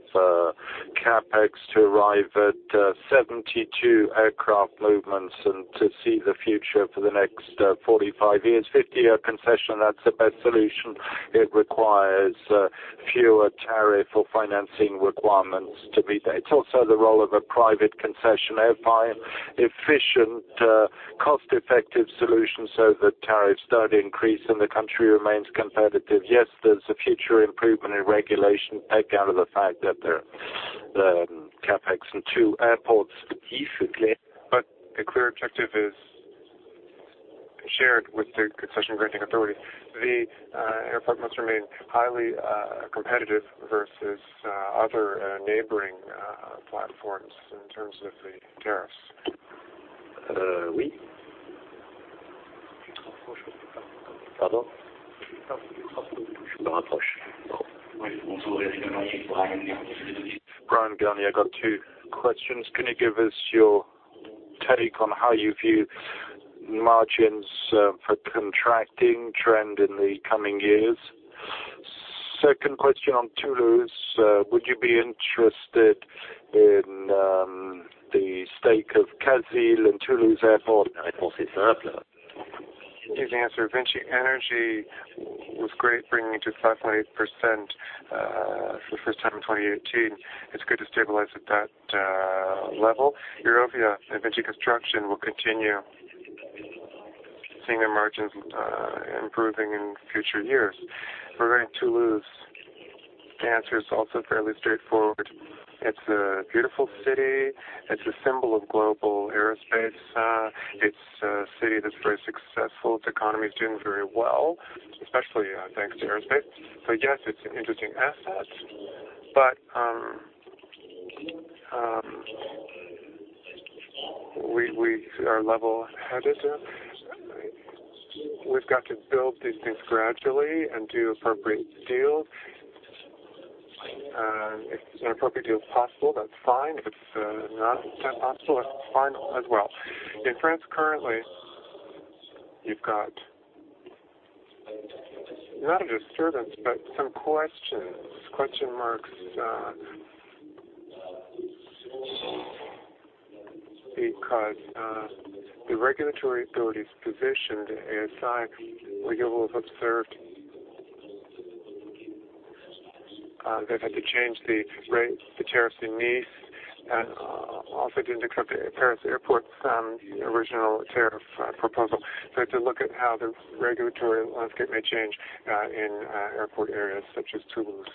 CapEx to arrive at 72 aircraft movements and to see the future for the next 45-years. 50-year concession, that's the best solution. It requires fewer tariff or financing requirements to be there. It's also the role of a private concessionaire by efficient, cost-effective solutions so that tariffs don't increase and the country remains competitive. There's a future improvement in regulation take out of the fact that the CapEx in two airports. The clear objective is shared with the concession-granting authority. The airport must remain highly competitive versus other neighboring platforms in terms of the tariffs. Brian Gurney, I got two questions. Can you give us your take on how you view margins for contracting trend in the coming years? Second question on Toulouse. Would you be interested in the stake of Casil in Toulouse Airport? Easy answer. VINCI Energies was great, bringing to 5.8% for the first time in 2018. It's good to stabilize at that level. Eurovia and VINCI Construction will continue seeing their margins improving in future years. For Toulouse, the answer is also fairly straightforward. It's a beautiful city. It's a symbol of global aerospace. It's a city that's very successful. Its economy is doing very well, especially thanks to aerospace. Yes, it's an interesting asset, but we are level-headed. We've got to build these things gradually and do appropriate deals. If an appropriate deal is possible, that's fine. If it's not possible, that's fine as well. In France currently, you've got not a disturbance, but some questions, question marks, because the regulatory authority's positioned ASI, where you will have observed they've had to change the rate, the tariffs in Nice, and also didn't accept the Paris Airport original tariff proposal. To look at how the regulatory landscape may change in airport areas such as Toulouse.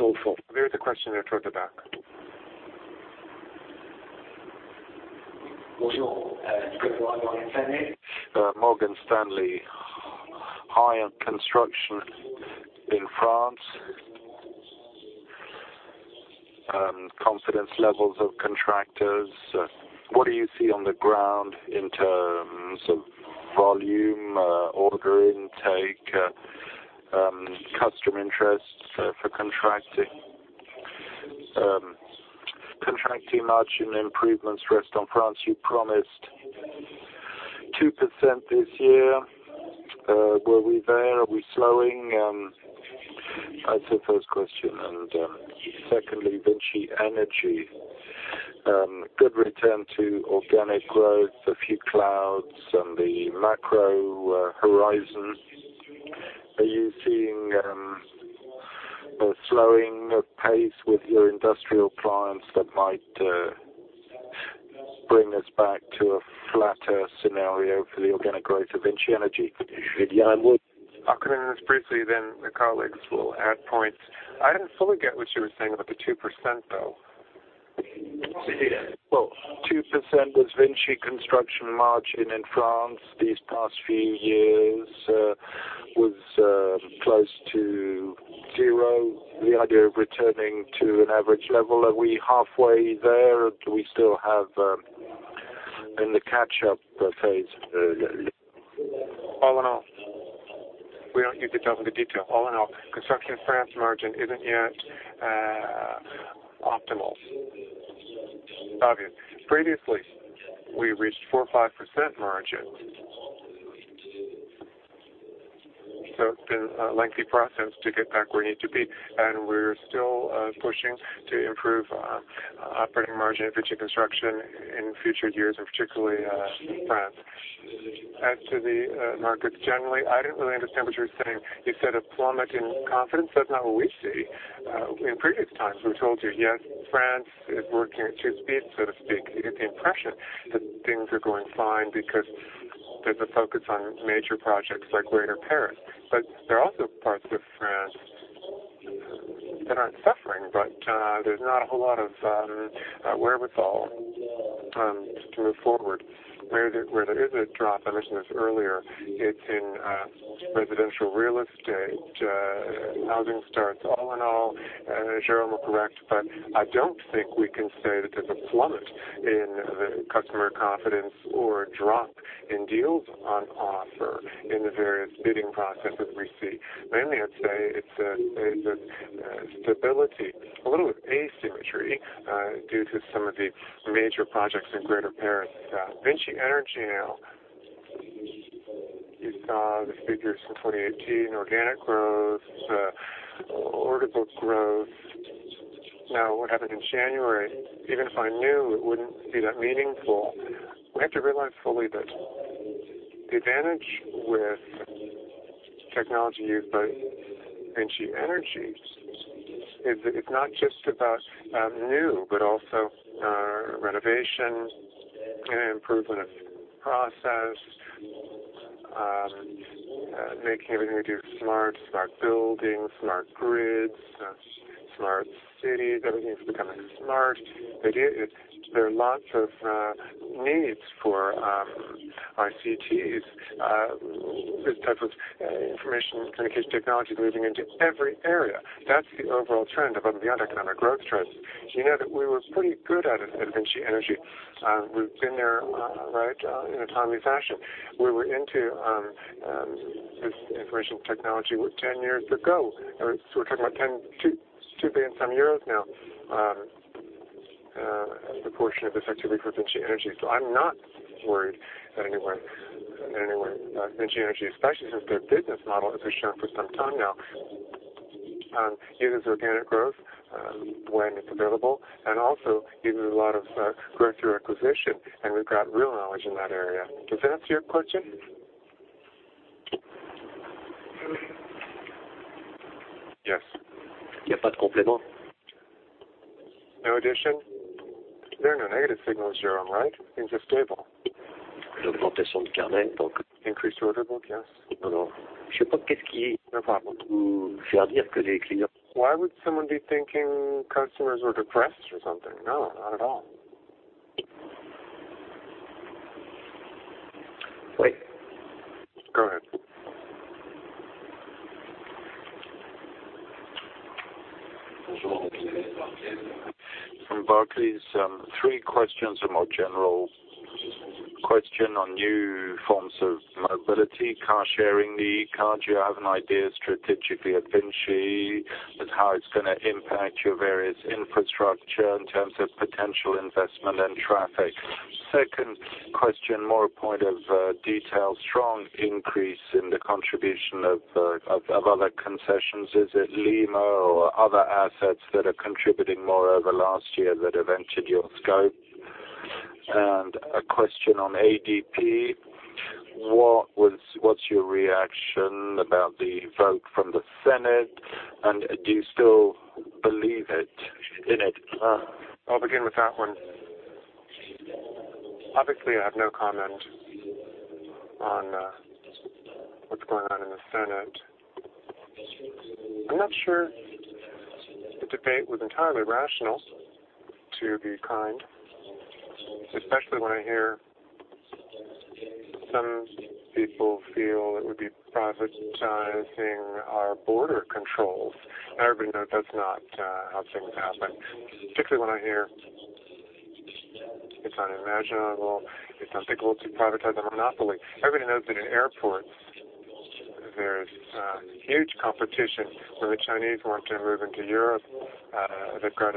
Are you Toulouse? Interesting. We heard a question at the back. Nicolas Mora Morgan Stanley. High-end construction in France. Confidence levels of contractors. What do you see on the ground in terms of volume, order intake, customer interest for contracting? Contracting margin improvements, rest on France. You promised 2% this year. Were we there? Are we slowing? That's the first question. Secondly, VINCI Energies. Good return to organic growth, a few clouds on the macro horizon. Are you seeing a slowing of pace with your industrial clients that might bring us back to a flatter scenario for the organic growth of VINCI Energies? I'll come in on this briefly, then the colleagues will add points. I didn't fully get what you were saying about the 2%, though. Well, 2% was VINCI Construction margin in France these past few years was close to zero. The idea of returning to an average level. Are we halfway there? Do we still have in the catch-up phase? All in all, we don't need to jump into detail. Construction France margin isn't yet optimal. Obviously. Previously, we reached 4%, 5% margin. It's been a lengthy process to get back where we need to be, and we're still pushing to improve operating margin in VINCI Construction in future years, and particularly France. As to the markets generally, I didn't really understand what you were saying. You said a plummet in confidence. That's not what we see. In previous times, we've told you, yes, France is working at two speeds, so to speak. You get the impression that things are going fine because there's a focus on major projects like Grand Paris. There are also parts of France that aren't suffering, but there's not a whole lot of wherewithal to move forward. Where there is a drop, I mentioned this earlier, it's in residential real estate, housing starts. All in all, Jerome, you're correct, but I don't think we can say that there's a plummet in the customer confidence or a drop in deals on offer in the various bidding processes we see. Mainly, I'd say it's a stability, a little asymmetry due to some of the major projects in Grand Paris. VINCI Energies now, you saw the figures for 2018, organic growth, order book growth. What happened in January, even if I knew, it wouldn't be that meaningful. We have to realize fully that the advantage with technology used by VINCI Energies is that it's not just about new, but also renovation and improvement of process, making everything smart buildings, smart grids, smart cities. Everything's becoming smart. The idea is there are lots of needs for ICTs. This type of information communication technology is moving into every area. That's the overall trend above the economic growth trends. You know that we were pretty good at it at VINCI Energies. We've been there, in a timely fashion. We were into this information technology 10-years ago. We're talking about 2 billion some euros now as a portion of this activity for VINCI Energies. I'm not worried in any way, VINCI Energies, especially since their business model has been shown for some time now. It is organic growth when it's available, and also gives a lot of growth through acquisition, and we've got real knowledge in that area. Does that answer your question? Yes. No addition? There are no negative signals, Jerome, right? Things are stable? We've Increased order book, yes. Why would someone be thinking customers were depressed or something? No, not at all. Go ahead. Nabil Ahmed from Barclays, three questions. A more general question on new forms of mobility, car sharing, the e-car. Do you have an idea strategically at VINCI as how it's going to impact your various infrastructure in terms of potential investment and traffic? Second question, more a point of detail. Strong increase in the contribution of other concessions. Is it Lima or other assets that are contributing more over last year that have entered your scope? A question on ADP. What's your reaction about the vote from the Senate, and do you still believe in it? I'll begin with that one. Obviously, I have no comment on what's going on in the Senate. I'm not sure the debate was entirely rational, to be kind, especially when I hear some people feel it would be privatizing our border controls. Everybody knows that's not how things happen. Particularly when I hear it's unimaginable, it's unthinkable to privatize a monopoly. Everybody knows that in airports, there's huge competition. When the Chinese want to move into Europe, they've got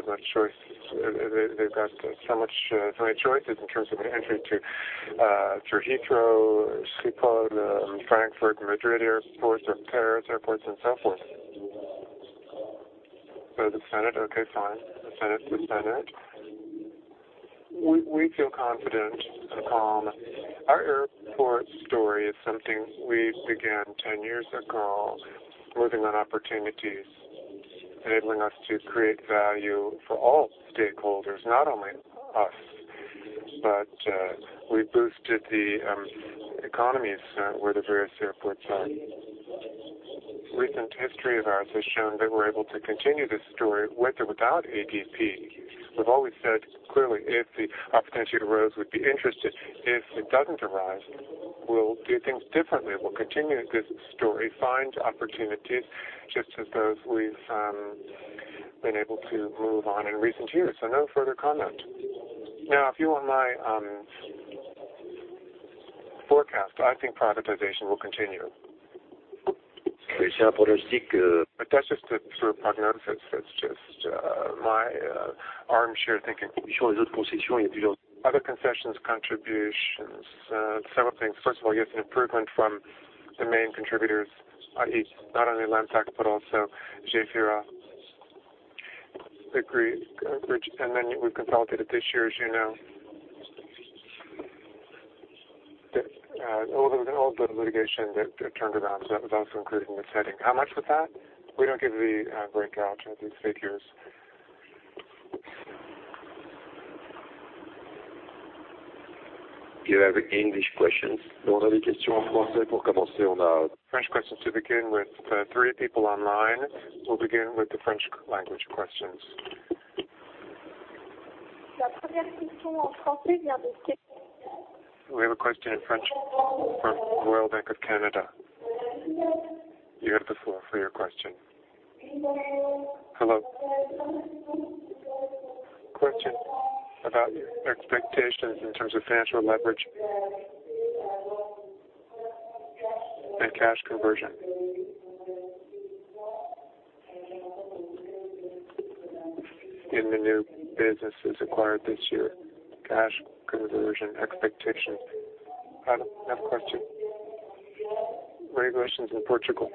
so many choices in terms of an entry through Heathrow, Schiphol, Frankfurt, Madrid airports, or Paris airports and so forth. The Senate, okay, fine. The Senate's the Senate. We feel confident and calm. Our airport story is something we began 10-years ago, moving on opportunities, enabling us to create value for all stakeholders, not only us. We boosted the economies where the various airports are. Recent history of ours has shown that we're able to continue this story with or without ADP. We've always said clearly, if the opportunity arose, we'd be interested. If it doesn't arise, we'll do things differently. We'll continue this story, find opportunities, just as those we've been able to move on in recent years. No further comment. Now, if you want my forecast, I think privatization will continue. That's just a sort of prognosis. That's just my armchair thinking. Other concessions contributions. Several things. First of all, yes, an improvement from the main contributors, i.e., not only LAMSAC, but also Gefyra. Agreed. We consolidated this year, as you know. All the litigation that turned around, that was also included in this heading. How much was that? We don't give the breakout of these figures. Do you have English questions? French questions to begin with. three people online. We'll begin with the French language questions. We have a question in French from Royal Bank of Canada. You have the floor for your question. Hello. Question about your expectations in terms of financial leverage and cash conversion in the new businesses acquired this year. Cash conversion expectations. Adam, you have a question? Regulations in Portugal.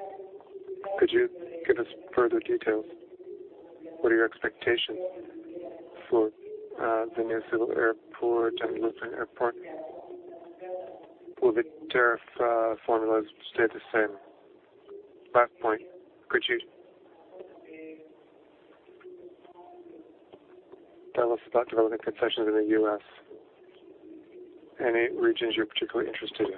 Could you give us further details? What are your expectations for the new civil airport and military airport? Will the tariff formulas stay the same? Last point, could you tell us about developing concessions in the U.S.? Any regions you're particularly interested in?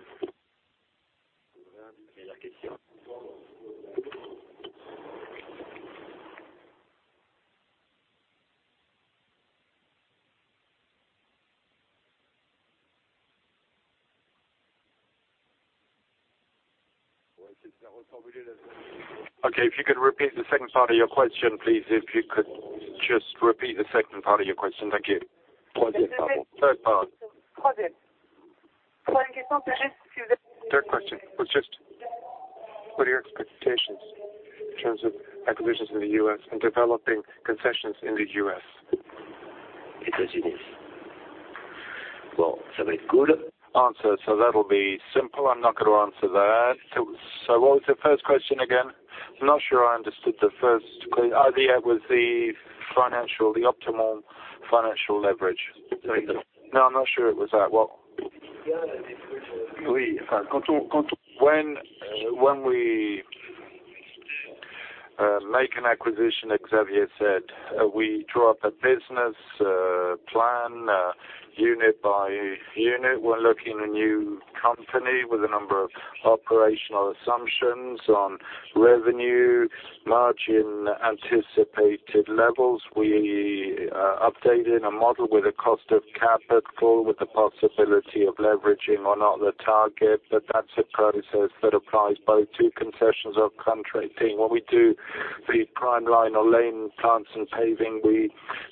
Okay, if you could repeat the second part of your question, please. If you could just repeat the second part of your question. Thank you. Third part. Third question was just what are your expectations in terms of acquisitions in the U.S. and developing concessions in the U.S.? That'll be simple. I'm not going to answer that. What was the first question again? I'm not sure I understood. Oh, yeah, it was the optimal financial leverage. I'm not sure it was that. Well? when we make an acquisition, Xavier said, we draw up a business plan unit by unit. We're looking at a new company with a number of operational assumptions on revenue, margin anticipated levels. We updated a model with a cost of capital with the possibility of leveraging or not the target. That's a process that applies both to concessions or country. When we do the PrimeLine or Lane Plants and Paving, we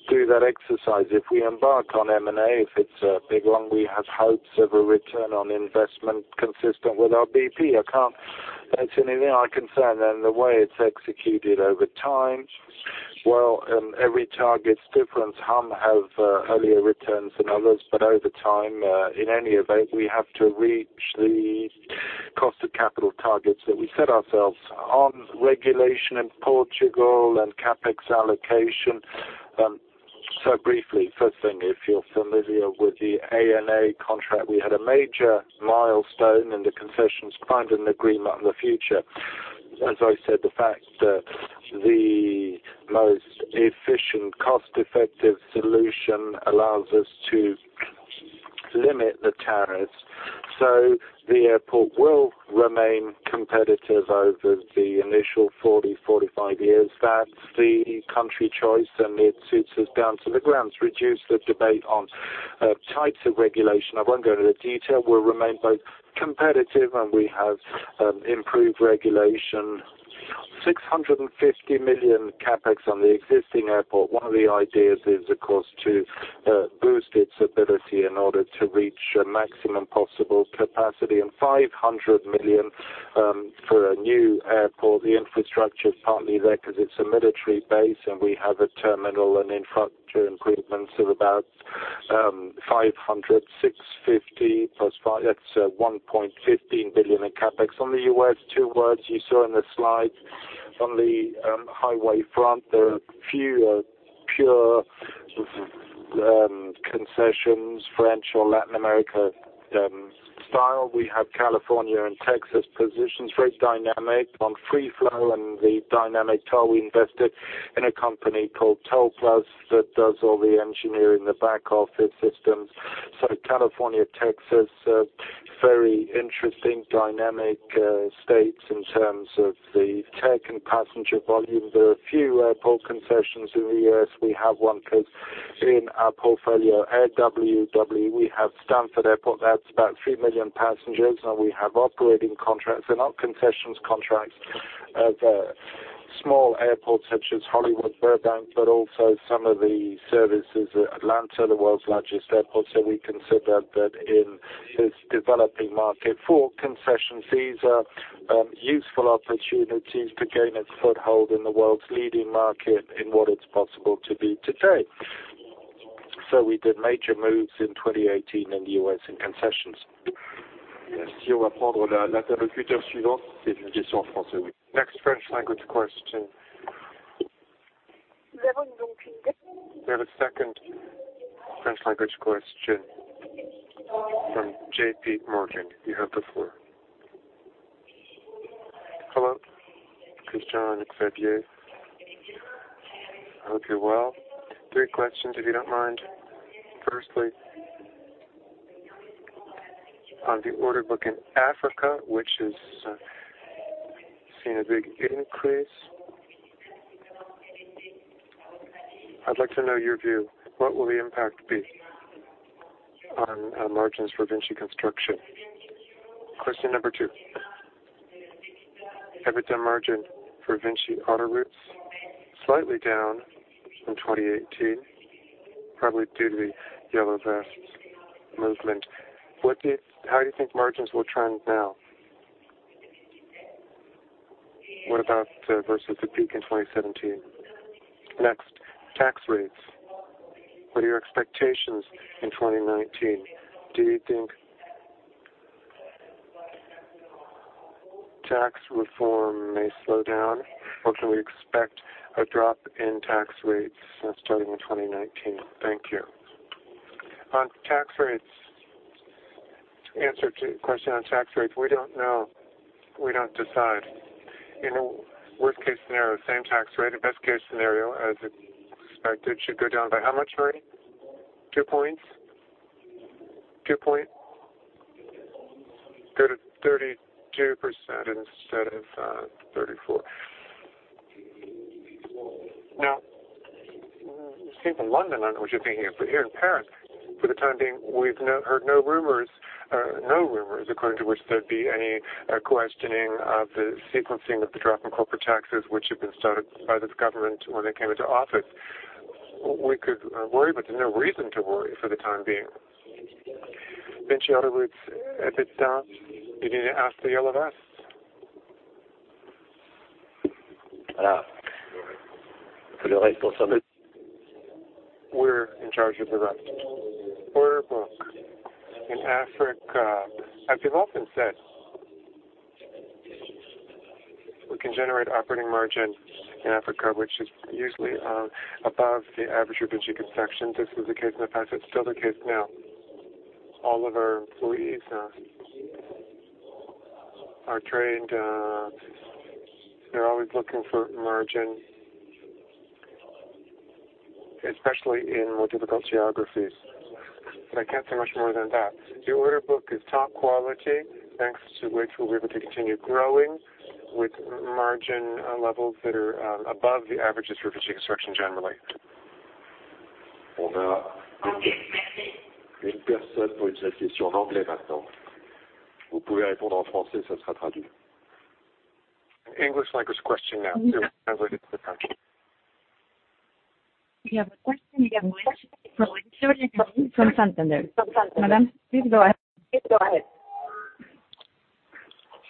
do that exercise. If we embark on M&A, if it's a big one, we have hopes of a return on investment consistent with our BP. I can't mention anything I can say other than the way it's executed over time. Well, every target is different. Some have earlier returns than others, but over time, in any event, we have to reach the cost of capital targets that we set ourselves. On regulation in Portugal and CapEx allocation. Briefly, first thing, if you're familiar with the ANA contract, we had a major milestone in the concessions to find an agreement on the future. As I said, the fact that the most efficient, cost-effective solution allows us to limit the tariffs, so the airport will remain competitive over the initial 40, 45-years. That's the country choice, and it suits us down to the ground to reduce the debate on types of regulation. I won't go into the detail. We'll remain both competitive and we have improved regulation. 650 million CapEx on the existing airport. One of the ideas is, of course, to boost its ability in order to reach maximum possible capacity and 500 million for a new airport. The infrastructure is partly there because it's a military base, and we have a terminal and infrastructure improvements of about 500, 650+ five. That's 1.15 billion in CapEx. On the U.S., two words you saw in the slide. On the highway front, there are fewer pure concessions, French or Latin America style. We have California and Texas positions, very dynamic on free-flow and the dynamic toll. We invested in a company called TollPlus that does all the engineering, the back office systems. California, Texas, very interesting dynamic states in terms of the tech and passenger volume. There are a few airport concessions in the U.S. We have one in our portfolio, Airports Worldwide. We have Stansted Airport, that's about 3 million passengers, and we have operating contracts. They're not concessions contracts of small airports such as Hollywood Burbank, but also some of the services at Atlanta, the world's largest airport. We consider that in this developing market for concession fees are useful opportunities to gain a foothold in the world's leading market in what it's possible to be today. We did major moves in 2018 in the U.S. in concessions. Next French language question. We have a second French language question from JPMorgan. You have the floor. Hello, Christian, it's Xavier. I hope you're well. three questions, if you don't mind. Firstly, on the order book in Africa, which has seen a big increase. I'd like to know your view. What will the impact be on margins for VINCI Construction? Question number two. EBITDA margin for VINCI Autoroutes, slightly down in 2018, probably due to the yellow vests movement. How do you think margins will trend now? What about versus the peak in 2017? Next, tax rates. What are your expectations in 2019? Do you think tax reform may slow down, or can we expect a drop in tax rates starting in 2019? Thank you. On tax rates, answer to your question on tax rates. We don't know. We don't decide. In a worst-case scenario, same tax rate. Best case scenario, as expected, should go down by how much, Marie? Two points. Go to 32% instead of 34%. You came from London, I know, but you're here in Paris. For the time being, we've heard no rumors according to which there'd be any questioning of the sequencing of the drop in corporate taxes, which have been started by this government when they came into office. We could worry, but there's no reason to worry for the time being. VINCI Autoroutes, EBITDA, you need to ask theYellow Vests. We're in charge of the rest. Order book in Africa. As we've often said, we can generate operating margin in Africa, which is usually above the average of VINCI Construction. This was the case in the past. It's still the case now. All of our employees are trained. They're always looking for margin, especially in more difficult geographies. I can't say much more than that. The order book is top quality, thanks to which we'll be able to continue growing with margin levels that are above the averages for VINCI Construction generally. English language question now. It will be translated to French. We have a question in English from Santander. Madam, please go ahead.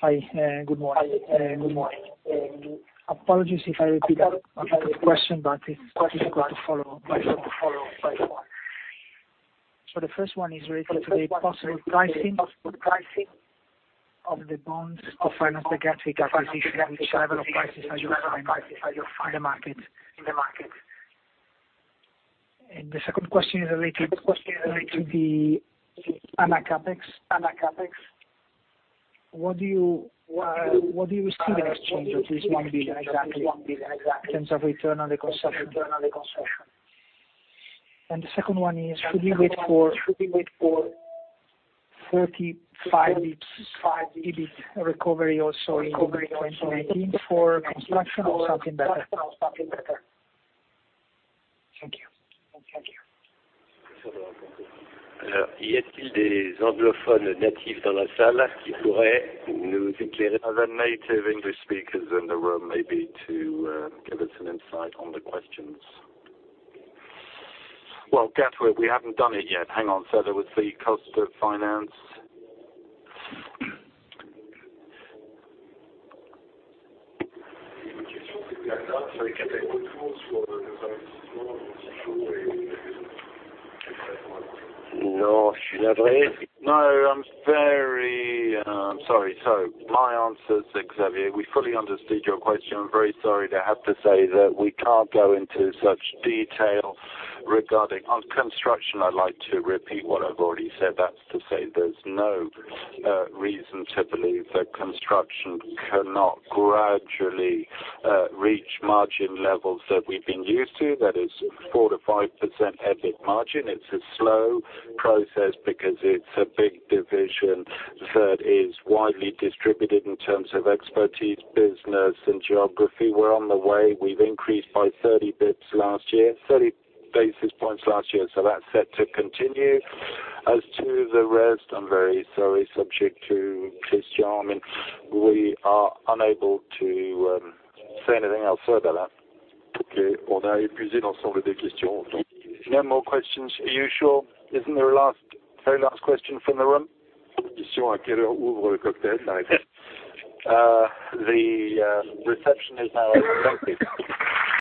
Hi, good morning. Apologies if I repeat a question, it's difficult to follow by phone. The first one is related to the possible pricing of the bonds to finance the Gatwick acquisition, which level of prices are you finding in the market? The second question is related to the ANA Capex. What do you receive in exchange of this 1 billion exactly in terms of return on the concession? The second one is, should we wait for 45 basis points EBIT recovery also in 2019 for construction or something better? Thank you. Are there native English speakers in the room maybe to give us an insight on the questions? Well, Gatwick, we haven't done it yet. Hang on. There was the cost of finance. No, I'm very sorry. My answer, Xavier, we fully understood your question. I'm very sorry to have to say that we can't go into such detail regarding construction. I'd like to repeat what I've already said. That's to say there's no reason to believe that construction cannot gradually reach margin levels that we've been used to. That is 4%-5% EBIT margin. It's a slow process because it's a big division that is widely distributed in terms of expertise, business, and geography. We're on the way. We've increased by 30 basis points last year. That's set to continue. As to the rest, I'm very sorry, subject to Christian, we are unable to say anything else further. No more questions. Are you sure? Isn't there a very last question from the room? The reception is now open. Thank you.